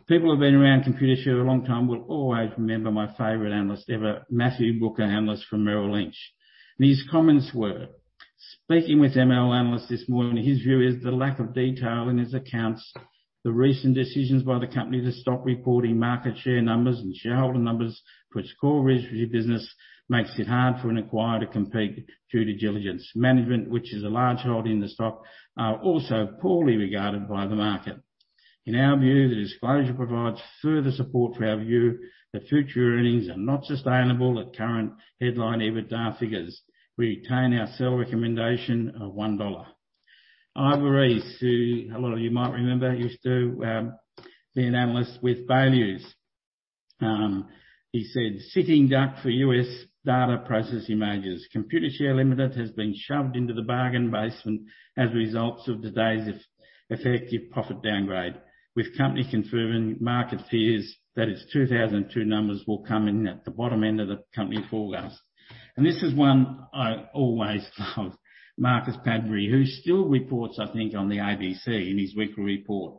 People who've been around Computershare a long time will always remember my favorite analyst ever, Matthew Booker, analyst from Merrill Lynch. His comments were, "Speaking with ML analysts this morning, his view is the lack of detail in his accounts, the recent decisions by the company to stop reporting market share numbers and shareholder numbers for its core registry business makes it hard for an acquirer to complete due diligence. Management, which is a large hold in the stock, are also poorly regarded by the market. In our view, the disclosure provides further support for our view that future earnings are not sustainable at current headline EBITDA figures. We retain our sell recommendation of $1." Ivor Ries, who a lot of you might remember, used to be an analyst with Baillieu. He said, "Sitting duck for U.S. data processing majors. Computershare Limited has been shoved into the bargain basement as a result of today's effective profit downgrade, with company confirming market fears that its 2002 numbers will come in at the bottom end of the company forecast." This is one I always love. Marcus Padbury, who still reports, I think, on the ABC in his weekly report,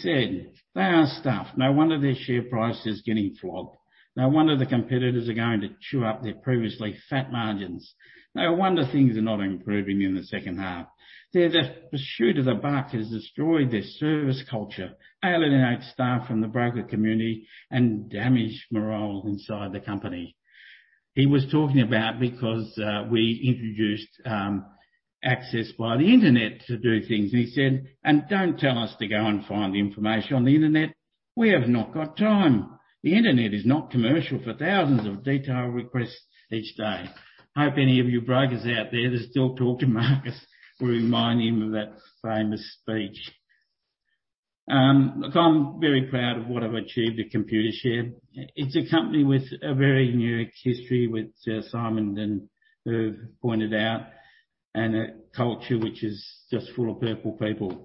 said, "They are stuffed. No wonder their share price is getting flogged. No wonder the competitors are going to chew up their previously fat margins. No wonder things are not improving in the second half. Their pursuit of the buck has destroyed their service culture, alienated staff from the broker community, and damaged morale inside the company." He was talking about because we introduced access via the internet to do things, and he said, "And don't tell us to go and find the information on the internet. We have not got time. The internet is not commercial for thousands of detailed requests each day." I hope any of you brokers out there that still talk to Marcus will remind him of that famous speech. Look, I'm very proud of what I've achieved at Computershare. It's a company with a very unique history with Sir Simon and Irv pointed out, and a culture which is just full of purple people.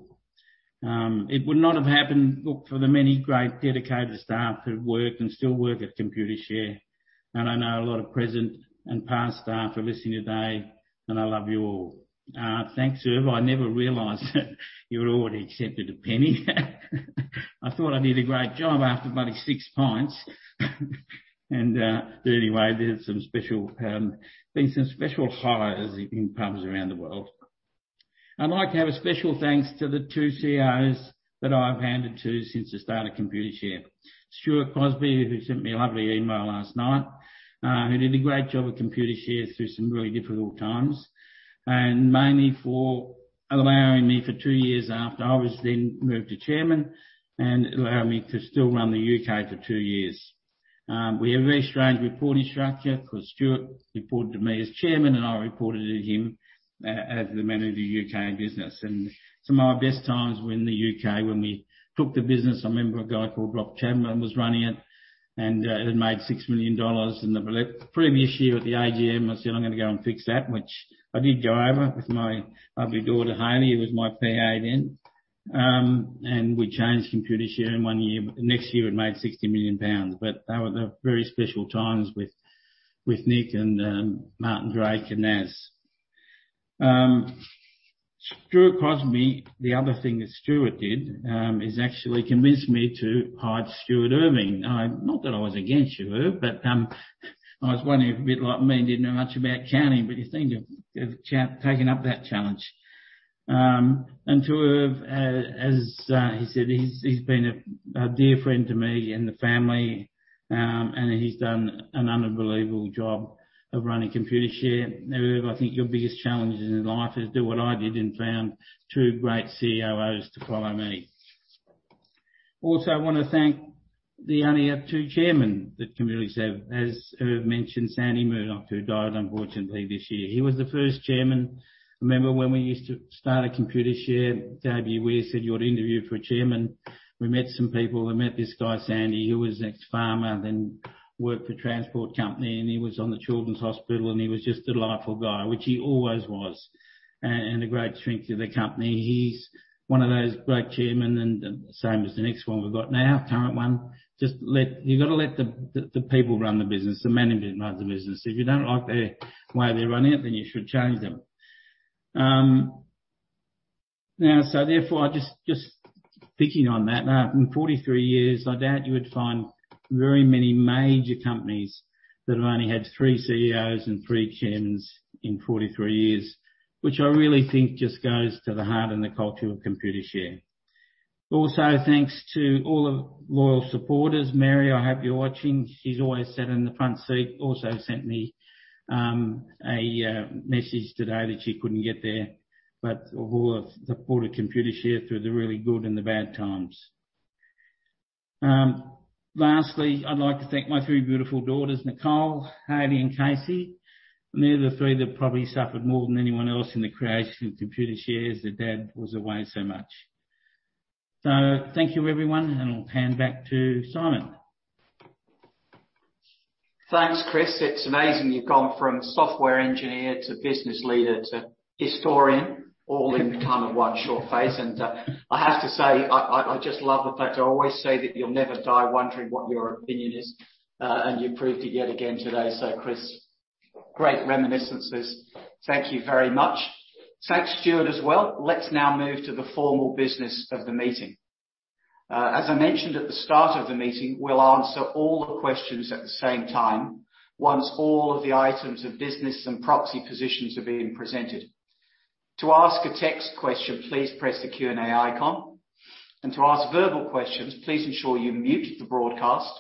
It would not have happened, look, for the many great dedicated staff who've worked and still work at Computershare. I know a lot of present and past staff are listening today, and I love you all. Thanks, Irv. I never realized that you had already accepted a penny. I thought I did a great job after bloody six pints. Anyway, there's been some special highs in pubs around the world. I'd like to have a special thanks to the two CEOs that I've handed to since the start of Computershare. Stuart Crosby, who sent me a lovely email last night, who did a great job at Computershare through some really difficult times, and mainly for allowing me for two years after I was then moved to chairman, and allowing me to still run the U.K. for two years. We have a very strange reporting structure because Stuart reported to me as chairman, and I reported to him as the manager U.K. business. Some of my best times were in the U.K. when we took the business. I remember a guy called Rob Chamberlain was running it, and it had made $6 million. In the previous year at the AGM, I said, "I'm gonna go and fix that," which I did go over with my lovely daughter, Hayley, who was my PA then. We changed Computershare in one year. Next year, it made 60 million pounds. They were the very special times with Nick and Martin Drake and Naz. Stuart Crosby, the other thing that Stuart did is actually convince me to hire Stuart Irving. Not that I was against you, Irv, but I was wondering if a bit like me, didn't know much about counting, but you seem to have taken up that challenge. To Irv, as he said, he's been a dear friend to me and the family, and he's done an unbelievable job of running Computershare. Now, Irv, I think your biggest challenge in life is do what I did and found two great COOs to follow me. I wanna thank the only two chairmen that Computershare has had. As Irv mentioned, Sandy Murdoch, who died unfortunately this year. He was the first chairman. I remember when we started Computershare, W. Weir said, "You ought to interview for a chairman." We met some people. We met this guy, Sandy, who was ex-farmer, then worked for a transport company, and he was on the Children's Hospital, and he was just a delightful guy, which he always was, and a great strength to the company. He's one of those great chairmen and the same as the next one we've got now, current one. You've got to let the people run the business, the management run the business. If you don't like the way they're running it, then you should change them. Now, so therefore, just picking on that, in 43 years, I doubt you would find very many major companies that have only had three CEOs and three chairmen in 43 years, which I really think just goes to the heart and the culture of Computershare. Also, thanks to all the loyal supporters. Mary, I hope you're watching. She's always sat in the front seat. Also sent me a message today that she couldn't get there. Who have supported Computershare through the really good and the bad times. Lastly, I'd like to thank my three beautiful daughters, Nicole, Hayley, and Casey. They're the three that probably suffered more than anyone else in the creation of Computershare, as their dad was away so much. Thank you, everyone, and I'll hand back to Simon. Thanks, Chris. It's amazing you've gone from software engineer to business leader to historian all in the time of one short phase. I have to say, I just love the fact I always say that you'll never die wondering what your opinion is, and you proved it yet again today. Chris, great reminiscences. Thank you very much. Thanks, Stuart, as well. Let's now move to the formal business of the meeting. As I mentioned at the start of the meeting, we'll answer all the questions at the same time once all of the items of business and proxy positions are being presented. To ask a text question, please press the Q&A icon. To ask verbal questions, please ensure you mute the broadcast,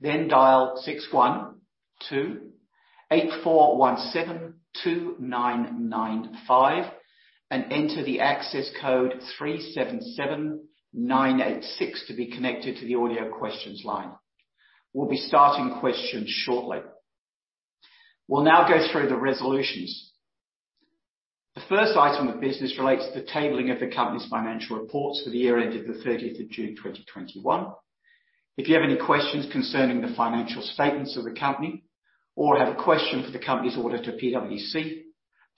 then dial 612-841-72995 and enter the access code 377-986 to be connected to the audio questions line. We'll be starting questions shortly. We'll now go through the resolutions. The first item of business relates to the tabling of the company's financial reports for the year ended the 30th of June 2021. If you have any questions concerning the financial statements of the company or have a question for the company's auditor, PwC,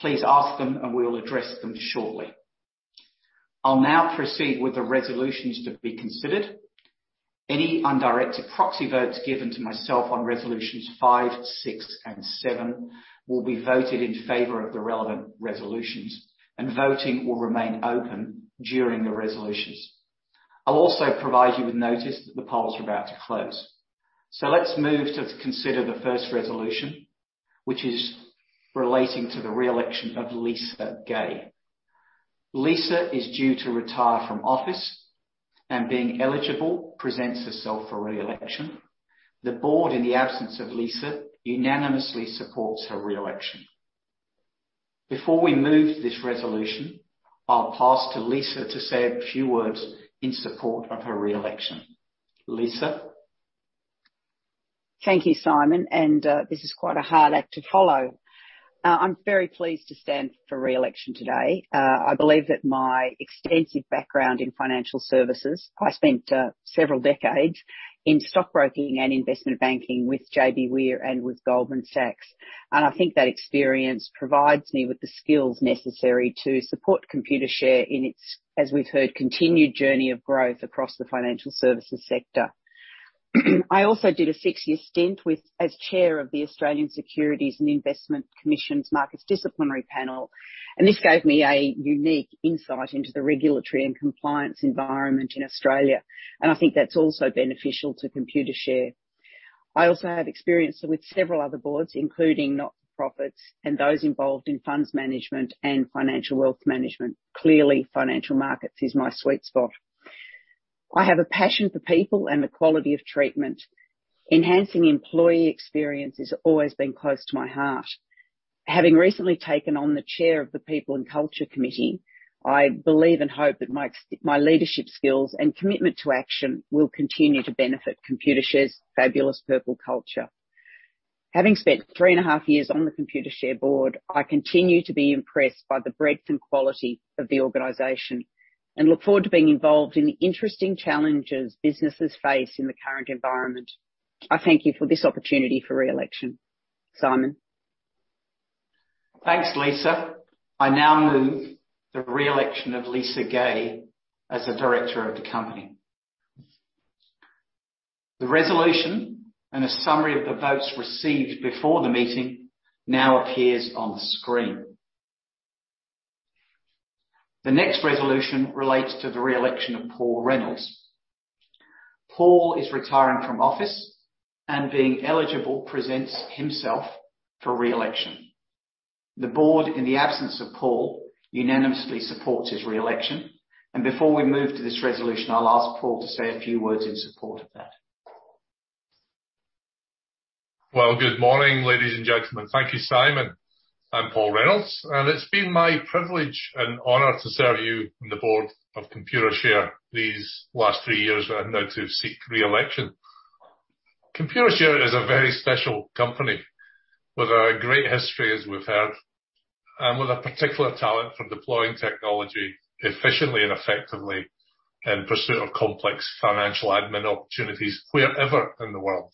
please ask them, and we'll address them shortly. I'll now proceed with the resolutions to be considered. Any undirected proxy votes given to myself on resolutions five, six, and seven will be voted in favor of the relevant resolutions, and voting will remain open during the resolutions. I'll also provide you with notice that the polls are about to close. Let's move to consider the first resolution, which is relating to the reelection of Lisa Gay. Lisa is due to retire from office and being eligible presents herself for reelection. The board, in the absence of Lisa, unanimously supports her reelection. Before we move this resolution, I'll pass to Lisa to say a few words in support of her reelection. Lisa. Thank you, Simon, and this is quite a hard act to follow. I'm very pleased to stand for reelection today. I believe that my extensive background in financial services. I spent several decades in stockbroking and investment banking with JBWere and with Goldman Sachs. I think that experience provides me with the skills necessary to support Computershare in its, as we've heard, continued journey of growth across the financial services sector. I also did a six-year stint as Chair of the Australian Securities and Investments Commission's Markets Disciplinary Panel, and this gave me a unique insight into the regulatory and compliance environment in Australia, and I think that's also beneficial to Computershare. I also have experience with several other boards, including not-for-profits and those involved in funds management and financial wealth management. Clearly, financial markets is my sweet spot. I have a passion for people and the quality of treatment. Enhancing employee experience has always been close to my heart. Having recently taken on the Chair of the People and Culture Committee, I believe and hope that my leadership skills and commitment to action will continue to benefit Computershare's fabulous people culture. Having spent three and a half years on the Computershare board, I continue to be impressed by the breadth and quality of the organization and look forward to being involved in the interesting challenges businesses face in the current environment. I thank you for this opportunity for reelection. Simon. Thanks, Lisa. I now move the reelection of Lisa Gay as a director of the company. The resolution and a summary of the votes received before the meeting now appears on the screen. The next resolution relates to the reelection of Paul Reynolds. Paul is retiring from office and, being eligible, presents himself for reelection. The board, in the absence of Paul, unanimously supports his reelection. Before we move to this resolution, I'll ask Paul to say a few words in support of that. Well, good morning, ladies and gentlemen. Thank you, Simon. I'm Paul Reynolds, and it's been my privilege and honor to serve you on the board of Computershare these last three years, and now to seek reelection. Computershare is a very special company with a great history, as we've heard, and with a particular talent for deploying technology efficiently and effectively in pursuit of complex financial admin opportunities wherever in the world.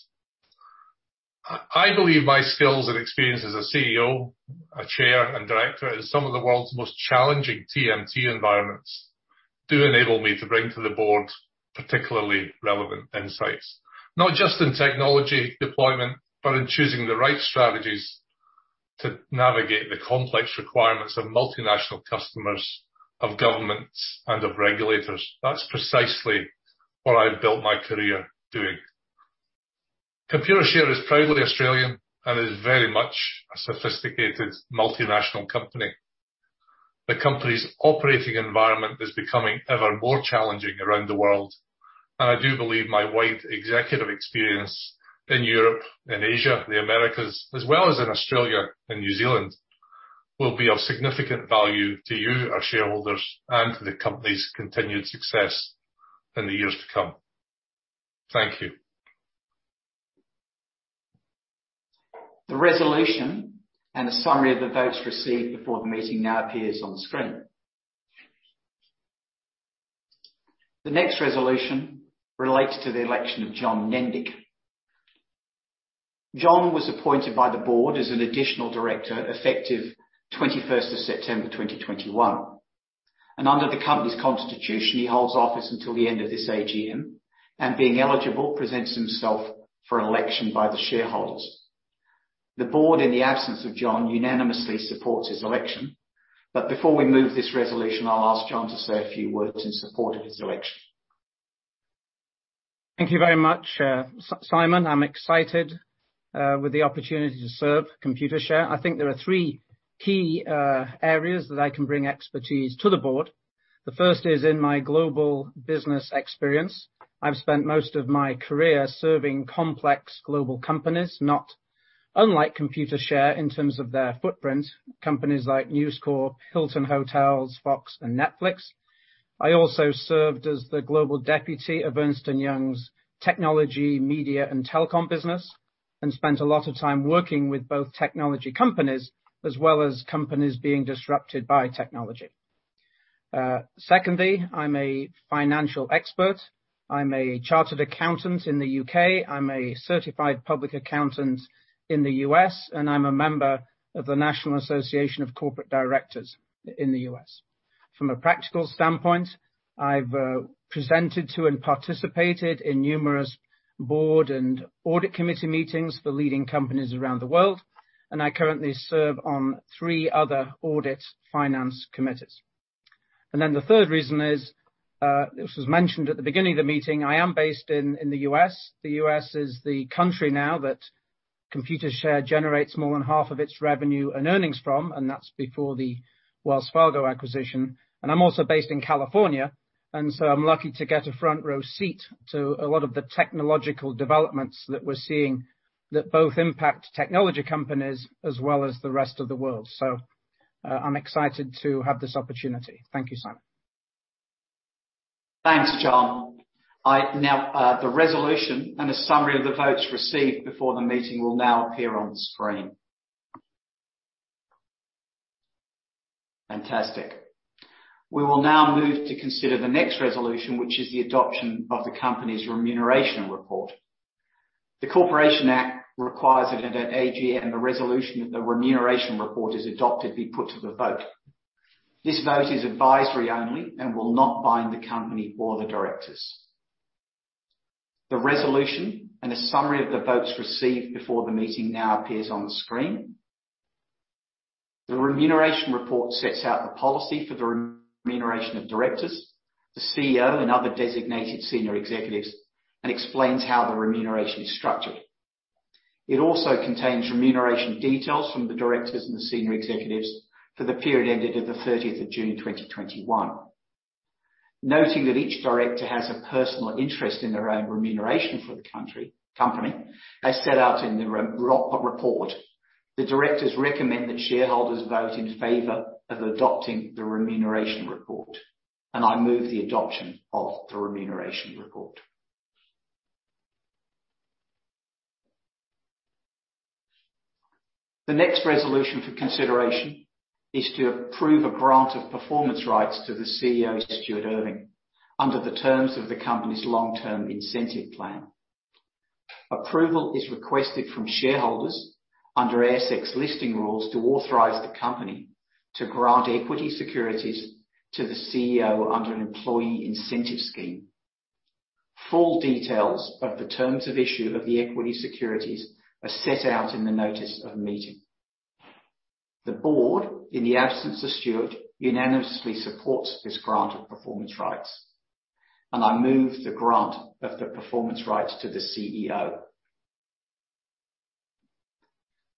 I believe my skills and experience as a CEO, a chair, and director in some of the world's most challenging TMT environments do enable me to bring to the board particularly relevant insights, not just in technology deployment, but in choosing the right strategies to navigate the complex requirements of multinational customers, of governments, and of regulators. That's precisely what I've built my career doing. Computershare is proudly Australian and is very much a sophisticated multinational company. The company's operating environment is becoming ever more challenging around the world, and I do believe my wide executive experience in Europe and Asia, the Americas, as well as in Australia and New Zealand, will be of significant value to you, our shareholders, and to the company's continued success in the years to come. Thank you. The resolution and a summary of the votes received before the meeting now appears on the screen. The next resolution relates to the election of John Nendick. John was appointed by the board as an additional director effective 21st of September 2021. Under the company's constitution, he holds office until the end of this AGM, and being eligible, presents himself for election by the shareholders. The board, in the absence of John, unanimously supports his election. Before we move this resolution, I'll ask John to say a few words in support of his election. Thank you very much, Simon. I'm excited with the opportunity to serve Computershare. I think there are three key areas that I can bring expertise to the board. The first is in my global business experience. I've spent most of my career serving complex global companies, not unlike Computershare in terms of their footprint, companies like News Corp, Hilton Hotels, Fox, and Netflix. I also served as the Global Deputy of Ernst & Young's technology, media, and telecom business, and spent a lot of time working with both technology companies as well as companies being disrupted by technology. Secondly, I'm a financial expert. I'm a chartered accountant in the U.K. I'm a certified public accountant in the U.S., and I'm a member of the National Association of Corporate Directors in the U.S. From a practical standpoint, I've presented to and participated in numerous board and audit committee meetings for leading companies around the world, and I currently serve on three other audit finance committees. The third reason is this was mentioned at the beginning of the meeting, I am based in the U.S. The U.S. is the country now that Computershare generates more than half of its revenue and earnings from, and that's before the Wells Fargo acquisition. I'm also based in California, and so I'm lucky to get a front row seat to a lot of the technological developments that we're seeing that both impact technology companies as well as the rest of the world. I'm excited to have this opportunity. Thank you, Simon. Thanks, John. The resolution and a summary of the votes received before the meeting will now appear on the screen. Fantastic. We will now move to consider the next resolution, which is the adoption of the company's remuneration report. The Corporations Act requires that at AGM, the resolution of the remuneration report is adopted be put to the vote. This vote is advisory only and will not bind the company or the directors. The resolution and a summary of the votes received before the meeting now appears on the screen. The remuneration report sets out the policy for the remuneration of directors, the CEO and other designated senior executives, and explains how the remuneration is structured. It also contains remuneration details from the directors and the senior executives for the period ended at the 30th of June 2021. Noting that each director has a personal interest in their own remuneration for the company, as set out in the report, the directors recommend that shareholders vote in favor of adopting the remuneration report, and I move the adoption of the remuneration report. The next resolution for consideration is to approve a grant of performance rights to the CEO, Stuart Irving, under the terms of the company's long-term incentive plan. Approval is requested from shareholders under ASX listing rules to authorize the company to grant equity securities to the CEO under an employee incentive scheme. Full details of the terms of issue of the equity securities are set out in the notice of meeting. The board, in the absence of Stuart, unanimously supports this grant of performance rights, and I move the grant of the performance rights to the CEO.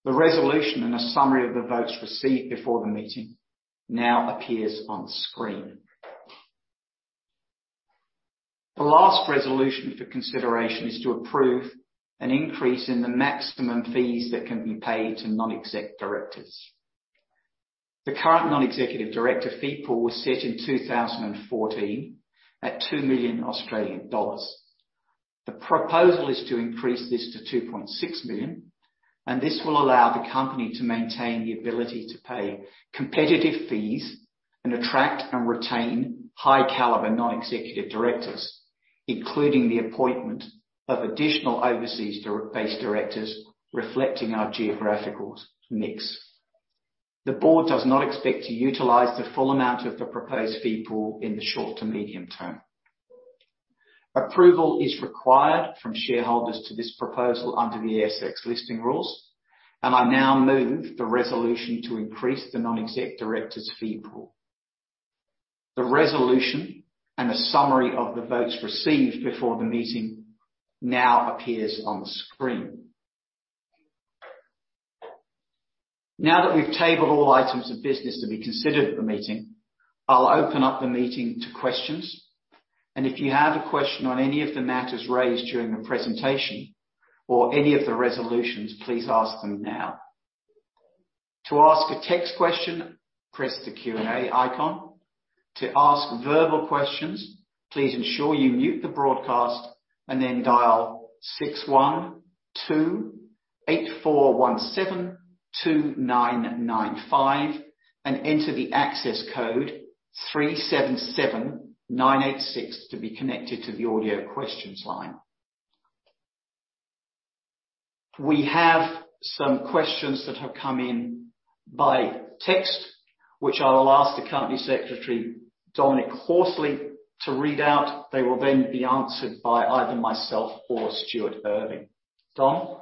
The resolution and a summary of the votes received before the meeting now appears on screen. The last resolution for consideration is to approve an increase in the maximum fees that can be paid to non-exec directors. The current non-executive director fee pool was set in 2014 at 2 million Australian dollars. The proposal is to increase this to 2.6 million, and this will allow the company to maintain the ability to pay competitive fees and attract and retain high caliber non-executive directors, including the appointment of additional overseas-based directors reflecting our geographical mix. The board does not expect to utilize the full amount of the proposed fee pool in the short to medium term. Approval is required from shareholders to this proposal under the ASX listing rules, and I now move the resolution to increase the non-exec director's fee pool. The resolution and a summary of the votes received before the meeting now appears on the screen. Now that we've tabled all items of business to be considered at the meeting, I'll open up the meeting to questions, and if you have a question on any of the matters raised during the presentation or any of the resolutions, please ask them now. To ask a text question, press the Q&A icon. To ask verbal questions, please ensure you mute the broadcast and then dial 612-8417-2995 and enter the access code 377-986 to be connected to the audio questions line. We have some questions that have come in by text, which I will ask the company secretary, Dominic Horsley, to read out. They will then be answered by either myself or Stuart Irving. Dom?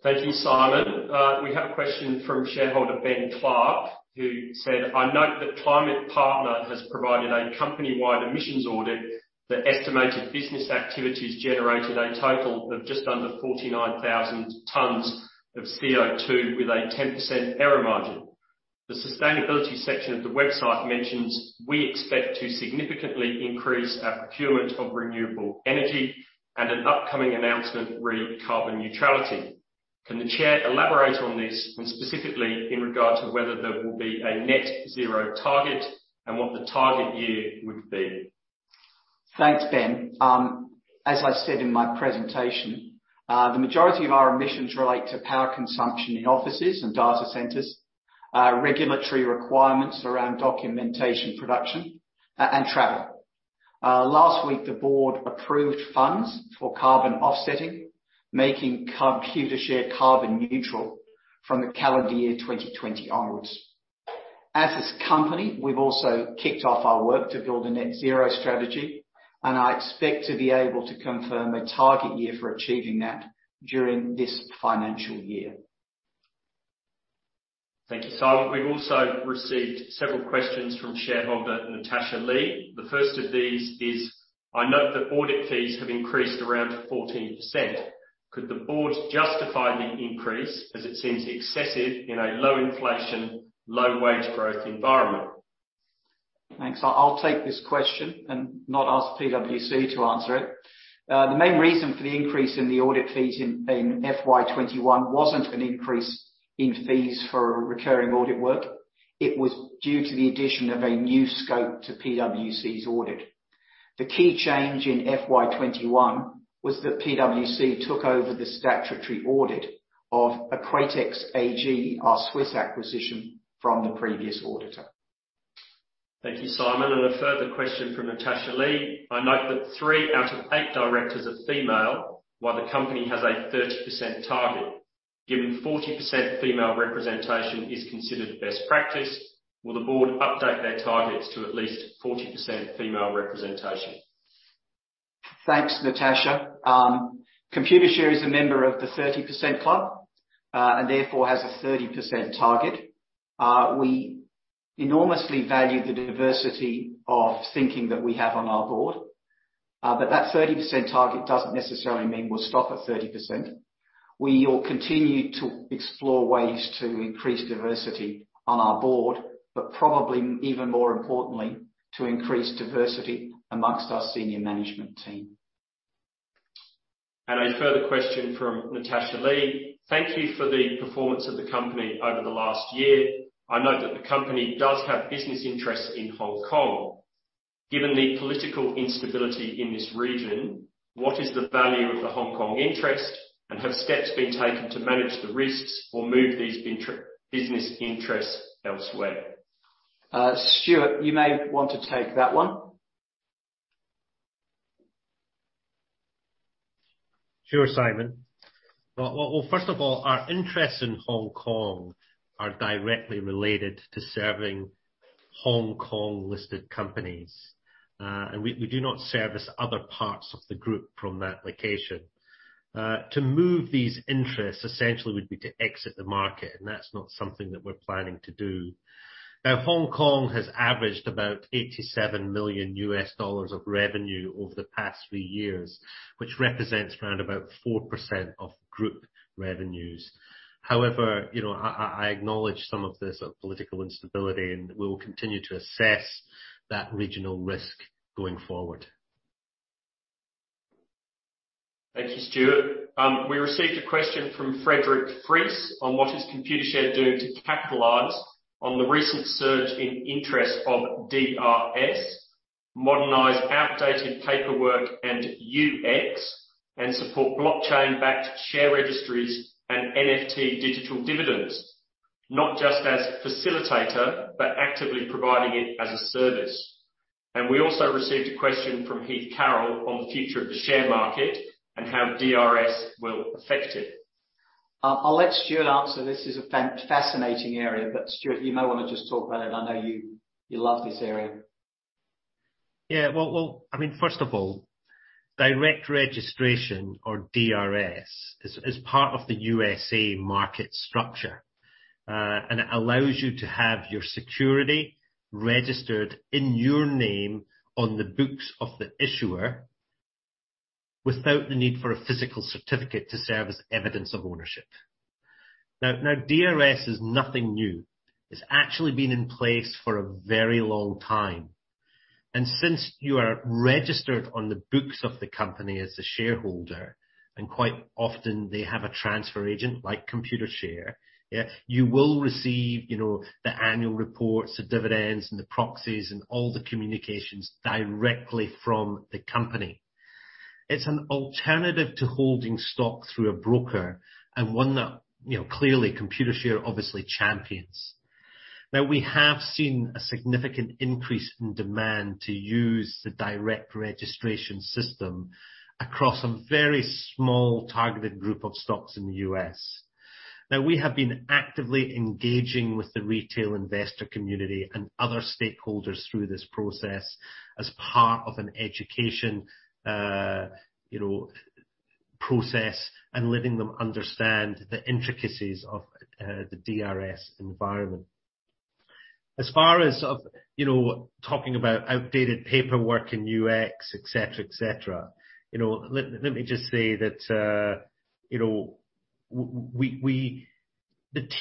Thank you, Simon. We have a question from shareholder Ben Clark, who said, "I note that ClimatePartner has provided a company-wide emissions audit that estimated business activities generated a total of just under 49,000 tons of CO2 with a 10% error margin. The sustainability section of the website mentions, 'We expect to significantly increase our procurement of renewable energy and an upcoming announcement re carbon neutrality.' Can the chair elaborate on this, and specifically in regard to whether there will be a net zero target and what the target year would be? Thanks, Ben. As I said in my presentation, the majority of our emissions relate to power consumption in offices and data centers, regulatory requirements around documentation production, and travel. Last week, the board approved funds for carbon offsetting, making Computershare carbon neutral from the calendar year 2020 onwards. As a company, we've also kicked off our work to build a net zero strategy, and I expect to be able to confirm a target year for achieving that during this financial year. Thank you. We've also received several questions from shareholder Natasha Lee. The first of these is, "I note that audit fees have increased around 14%. Could the board justify the increase as it seems excessive in a low inflation, low wage growth environment? Thanks. I'll take this question and not ask PwC to answer it. The main reason for the increase in the audit fees in FY 2021 wasn't an increase in fees for recurring audit work. It was due to the addition of a new scope to PwC's audit. The key change in FY 2021 was that PwC took over the statutory audit of Equatex AG, our Swiss acquisition, from the previous auditor. Thank you, Simon. A further question from Natasha Lee. "I note that three out of eight directors are female, while the company has a 30% target. Given 40% female representation is considered best practice, will the board update their targets to at least 40% female representation? Thanks, Natasha. Computershare is a member of the Thirty Percent Club, and therefore has a 30% target. We enormously value the diversity of thinking that we have on our board. That 30% target doesn't necessarily mean we'll stop at 30%. We will continue to explore ways to increase diversity on our board, but probably even more importantly, to increase diversity among our senior management team. A further question from Natasha Lee. "Thank you for the performance of the company over the last year. I note that the company does have business interests in Hong Kong. Given the political instability in this region, what is the value of the Hong Kong interest, and have steps been taken to manage the risks or move these business interests elsewhere? Stuart, you may want to take that one. Sure, Simon. Well, first of all, our interests in Hong Kong are directly related to serving Hong Kong-listed companies. We do not service other parts of the group from that location. To move these interests essentially would be to exit the market, and that's not something that we're planning to do. Now, Hong Kong has averaged about $87 million of revenue over the past three years, which represents around about 4% of group revenues. However, you know, I acknowledge some of this political instability, and we will continue to assess that regional risk going forward. Thank you, Stuart. We received a question from Frederick Fries on what is Computershare doing to capitalize on the recent surge in interest of DRS, modernize outdated paperwork and UX, and support blockchain-backed share registries and NFT digital dividends, not just as facilitator, but actively providing it as a service. We also received a question from Heath Carroll on the future of the share market and how DRS will affect it. I'll let Stuart answer. This is a fascinating area, but Stuart, you might wanna just talk about it. I know you love this area. Yeah. Well, I mean, first of all, direct registration or DRS is part of the USA market structure. It allows you to have your security registered in your name on the books of the issuer without the need for a physical certificate to serve as evidence of ownership. Now, DRS is nothing new. It's actually been in place for a very long time. Since you are registered on the books of the company as a shareholder, and quite often they have a transfer agent like Computershare, yeah, you will receive, you know, the annual reports, the dividends and the proxies and all the communications directly from the company. It's an alternative to holding stock through a broker and one that, you know, clearly Computershare obviously champions. We have seen a significant increase in demand to use the direct registration system across a very small targeted group of stocks in the U.S. We have been actively engaging with the retail investor community and other stakeholders through this process as part of an education process and letting them understand the intricacies of the DRS environment. As far as talking about outdated paperwork in UX, et cetera, et cetera. Let me just say that the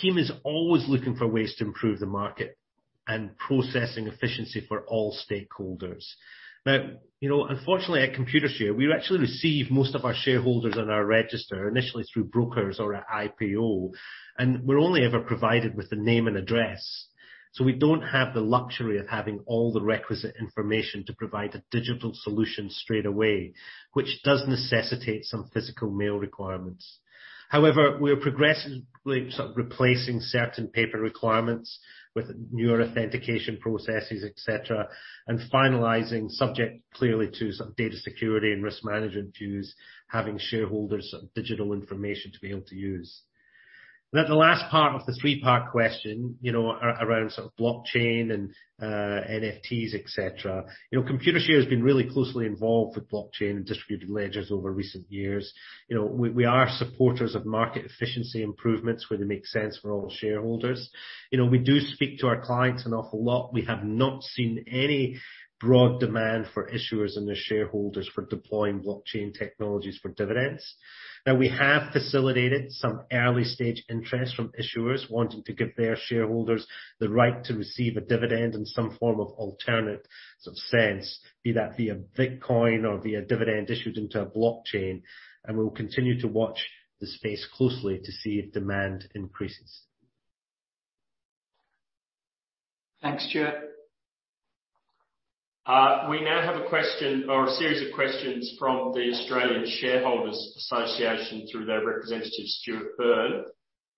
team is always looking for ways to improve the market and processing efficiency for all stakeholders. Unfortunately at Computershare, we actually receive most of our shareholders on our register, initially through brokers or at IPO, and we're only ever provided with the name and address. We don't have the luxury of having all the requisite information to provide a digital solution straight away, which does necessitate some physical mail requirements. However, we are progressively sort of replacing certain paper requirements with newer authentication processes, et cetera, and finalizing subject clearly to some data security and risk management views, having shareholders some digital information to be able to use. Now, the last part of the three-part question, you know, around sort of blockchain and, NFTs, et cetera. You know, Computershare has been really closely involved with blockchain and distributed ledgers over recent years. You know, we are supporters of market efficiency improvements where they make sense for all shareholders. You know, we do speak to our clients an awful lot. We have not seen any broad demand for issuers and their shareholders for deploying blockchain technologies for dividends. Now, we have facilitated some early-stage interest from issuers wanting to give their shareholders the right to receive a dividend and some form of alternate sort of asset, be that via Bitcoin or via dividend issued into a blockchain, and we'll continue to watch the space closely to see if demand increases. Thanks, Stuart. We now have a question or a series of questions from the Australian Shareholders' Association through their representative, Stuart Burn.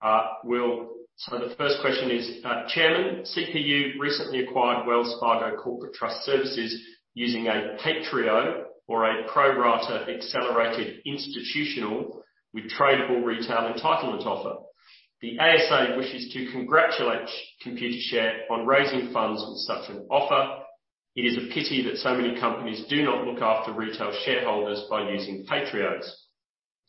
The first question is, "Chairman, CPU recently acquired Wells Fargo Corporate Trust Services using a PAITREO or a Pro-Rata Accelerated Institutional Tradeable Retail Entitlement offer. The ASA wishes to congratulate Computershare on raising funds with such an offer. It is a pity that so many companies do not look after retail shareholders by using PAITREOs.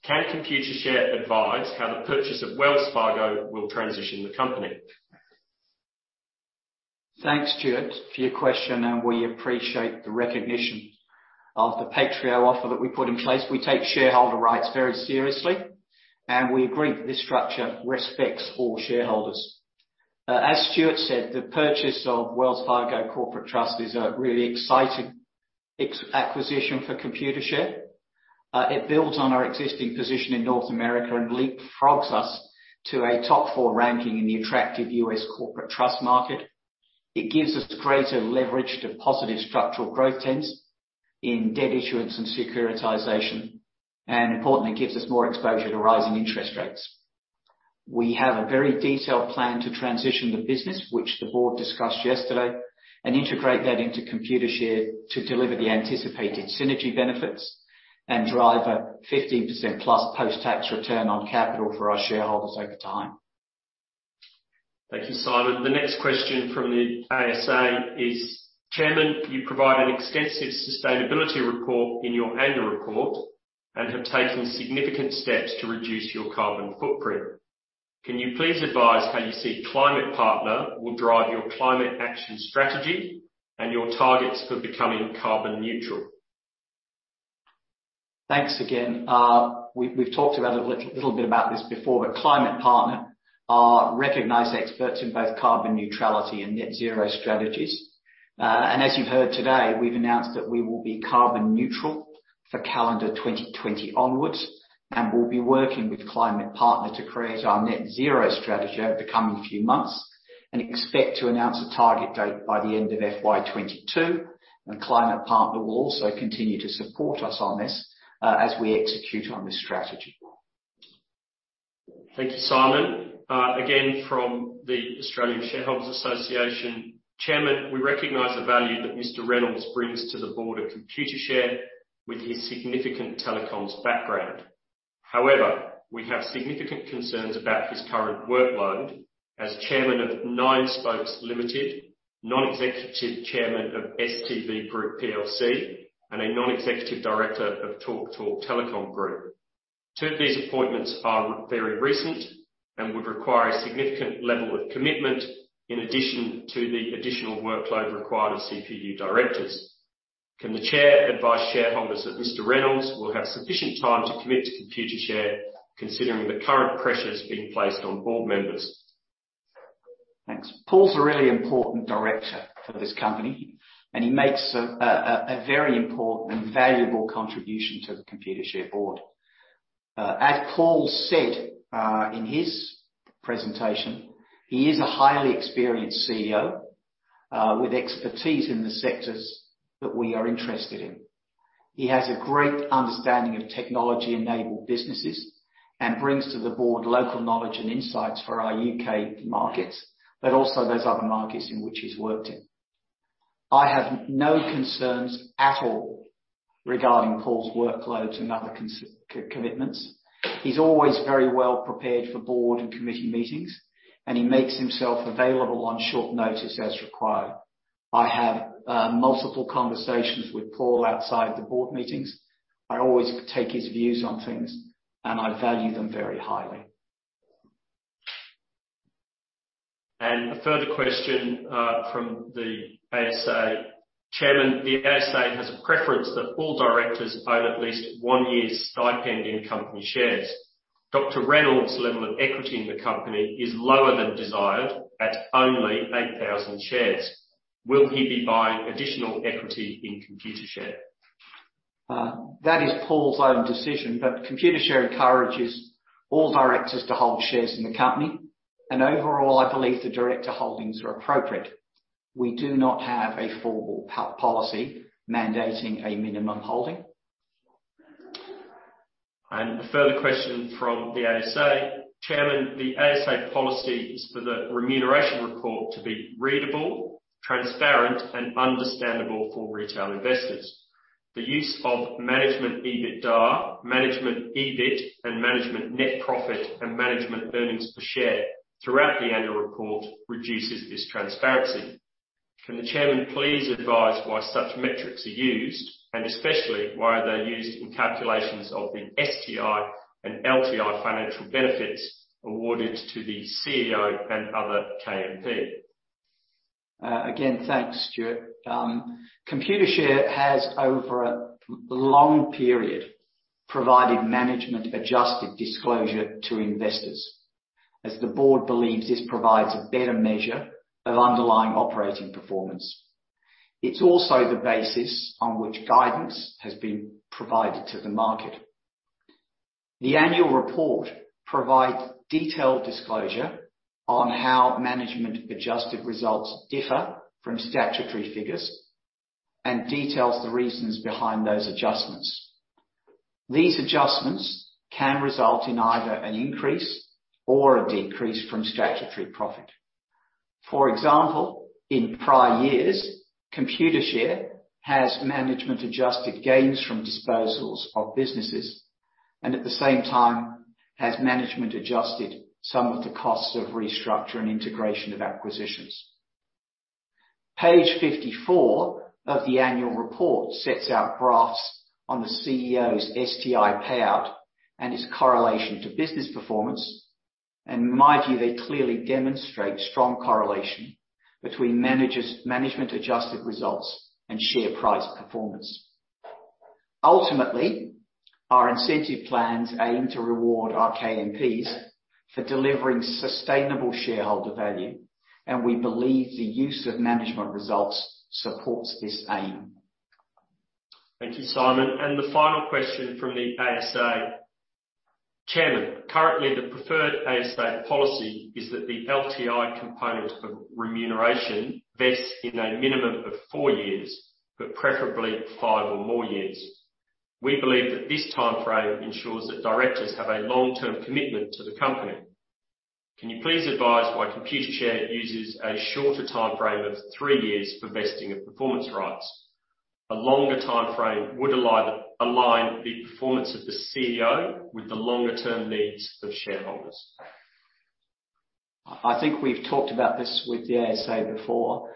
Can Computershare advise how the purchase of Wells Fargo will transition the company? Thanks, Stuart, for your question, and we appreciate the recognition of the PAITREO offer that we put in place. We take shareholder rights very seriously, and we agree that this structure respects all shareholders. As Stuart said, the purchase of Wells Fargo Corporate Trust is a really exciting acquisition for Computershare. It builds on our existing position in North America and leapfrogs us to a top four ranking in the attractive U.S. corporate trust market. It gives us greater leverage to positive structural growth trends in debt issuance and securitization, and importantly, it gives us more exposure to rising interest rates. We have a very detailed plan to transition the business which the board discussed yesterday and integrate that into Computershare to deliver the anticipated synergy benefits and drive a 15%+ post-tax return on capital for our shareholders over time. Thank you, Simon. The next question from the ASA is, "Chairman, you provide an extensive sustainability report in your annual report and have taken significant steps to reduce your carbon footprint. Can you please advise how you see ClimatePartner will drive your climate action strategy and your targets for becoming carbon neutral? Thanks again. We've talked about a little bit about this before, but ClimatePartner are recognized experts in both carbon neutrality and net zero strategies. As you've heard today, we've announced that we will be carbon neutral for calendar 2020 onwards, and we'll be working with ClimatePartner to create our net zero strategy over the coming few months and expect to announce a target date by the end of FY 2022. ClimatePartner will also continue to support us on this, as we execute on this strategy. Thank you, Simon. Again, from the Australian Shareholders Association. "Chairman, we recognize the value that Mr. Reynolds brings to the board of Computershare with his significant telecoms background. However, we have significant concerns about his current workload as chairman of 9 Spokes International Limited, non-executive chairman of STV Group PLC, and a non-executive director of TalkTalk Telecom Group plc. Two of these appointments are very recent and would require a significant level of commitment in addition to the additional workload required of CPU directors. Can the chair advise shareholders that Mr. Reynolds will have sufficient time to commit to Computershare considering the current pressures being placed on board members? Thanks. Paul's a really important director for this company, and he makes a very important and valuable contribution to the Computershare board. As Paul said in his presentation, he is a highly experienced CEO with expertise in the sectors that we are interested in. He has a great understanding of technology-enabled businesses and brings to the board local knowledge and insights for our U.K. markets, but also those other markets in which he's worked in. I have no concerns at all regarding Paul's workloads and other commitments. He's always very well prepared for board and committee meetings, and he makes himself available on short notice as required. I have multiple conversations with Paul outside the board meetings. I always take his views on things, and I value them very highly. A further question from the ASA. "Chairman, the ASA has a preference that all directors own at least one year's stipend in company shares. Dr. Reynolds' level of equity in the company is lower than desired at only 8,000 shares. Will he be buying additional equity in Computershare? That is Paul's own decision, but Computershare encourages all directors to hold shares in the company. Overall, I believe the director holdings are appropriate. We do not have a formal policy mandating a minimum holding. A further question from the ASA. "Chairman, the ASA policy is for the remuneration report to be readable, transparent, and understandable for retail investors. The use of management EBITDA, management EBIT, and management net profit, and management earnings per share throughout the annual report reduces this transparency. Can the chairman please advise why such metrics are used, and especially why they're used in calculations of the STI and LTI financial benefits awarded to the CEO and other KMP? Again, thanks, Stuart. Computershare has over a prolonged period provided management-adjusted disclosure to investors, as the board believes this provides a better measure of underlying operating performance. It's also the basis on which guidance has been provided to the market. The annual report provides detailed disclosure on how management-adjusted results differ from statutory figures and details the reasons behind those adjustments. These adjustments can result in either an increase or a decrease from statutory profit. For example, in prior years, Computershare has management-adjusted gains from disposals of businesses, and at the same time has management adjusted some of the costs of restructure and integration of acquisitions. Page 54 of the annual report sets out graphs on the CEO's STI payout and its correlation to business performance. In my view, they clearly demonstrate strong correlation between management-adjusted results and share price performance. Ultimately, our incentive plans aim to reward our KMPs for delivering sustainable shareholder value, and we believe the use of management results supports this aim. Thank you, Simon. The final question from the ASA. "Chairman, currently, the preferred ASA policy is that the LTI component of remuneration vests in a minimum of four years, but preferably five or more years. We believe that this timeframe ensures that directors have a long-term commitment to the company. Can you please advise why Computershare uses a shorter timeframe of three years for vesting of performance rights? A longer timeframe would align the performance of the CEO with the longer term needs of shareholders. I think we've talked about this with the ASA before.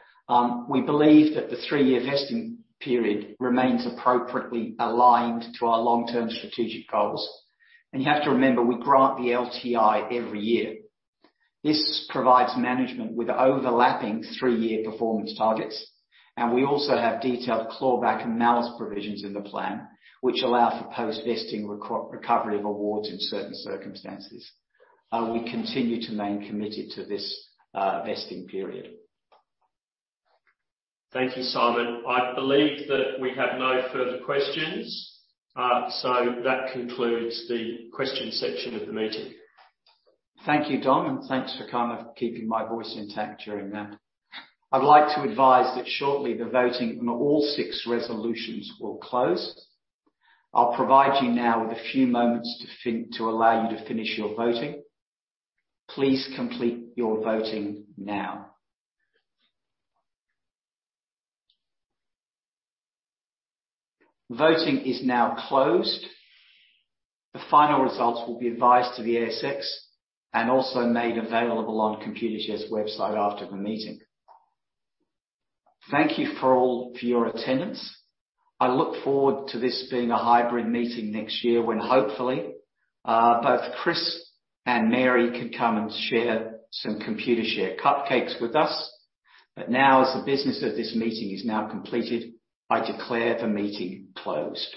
We believe that the three-year vesting period remains appropriately aligned to our long-term strategic goals. You have to remember, we grant the LTI every year. This provides management with overlapping three-year performance targets. We also have detailed clawback and malus provisions in the plan, which allow for post-vesting recovery of awards in certain circumstances. We continue to remain committed to this vesting period. Thank you, Simon. I believe that we have no further questions. That concludes the question section of the meeting. Thank you, Dom, and thanks for kind of keeping my voice intact during that. I'd like to advise that shortly the voting on all six resolutions will close. I'll provide you now with a few moments to allow you to finish your voting. Please complete your voting now. Voting is now closed. The final results will be advised to the ASX and also made available on Computershare's website after the meeting. Thank you all for your attendance. I look forward to this being a hybrid meeting next year, when hopefully both Chris and Mary can come and share some Computershare cupcakes with us. Now as the business of this meeting is now completed, I declare the meeting closed.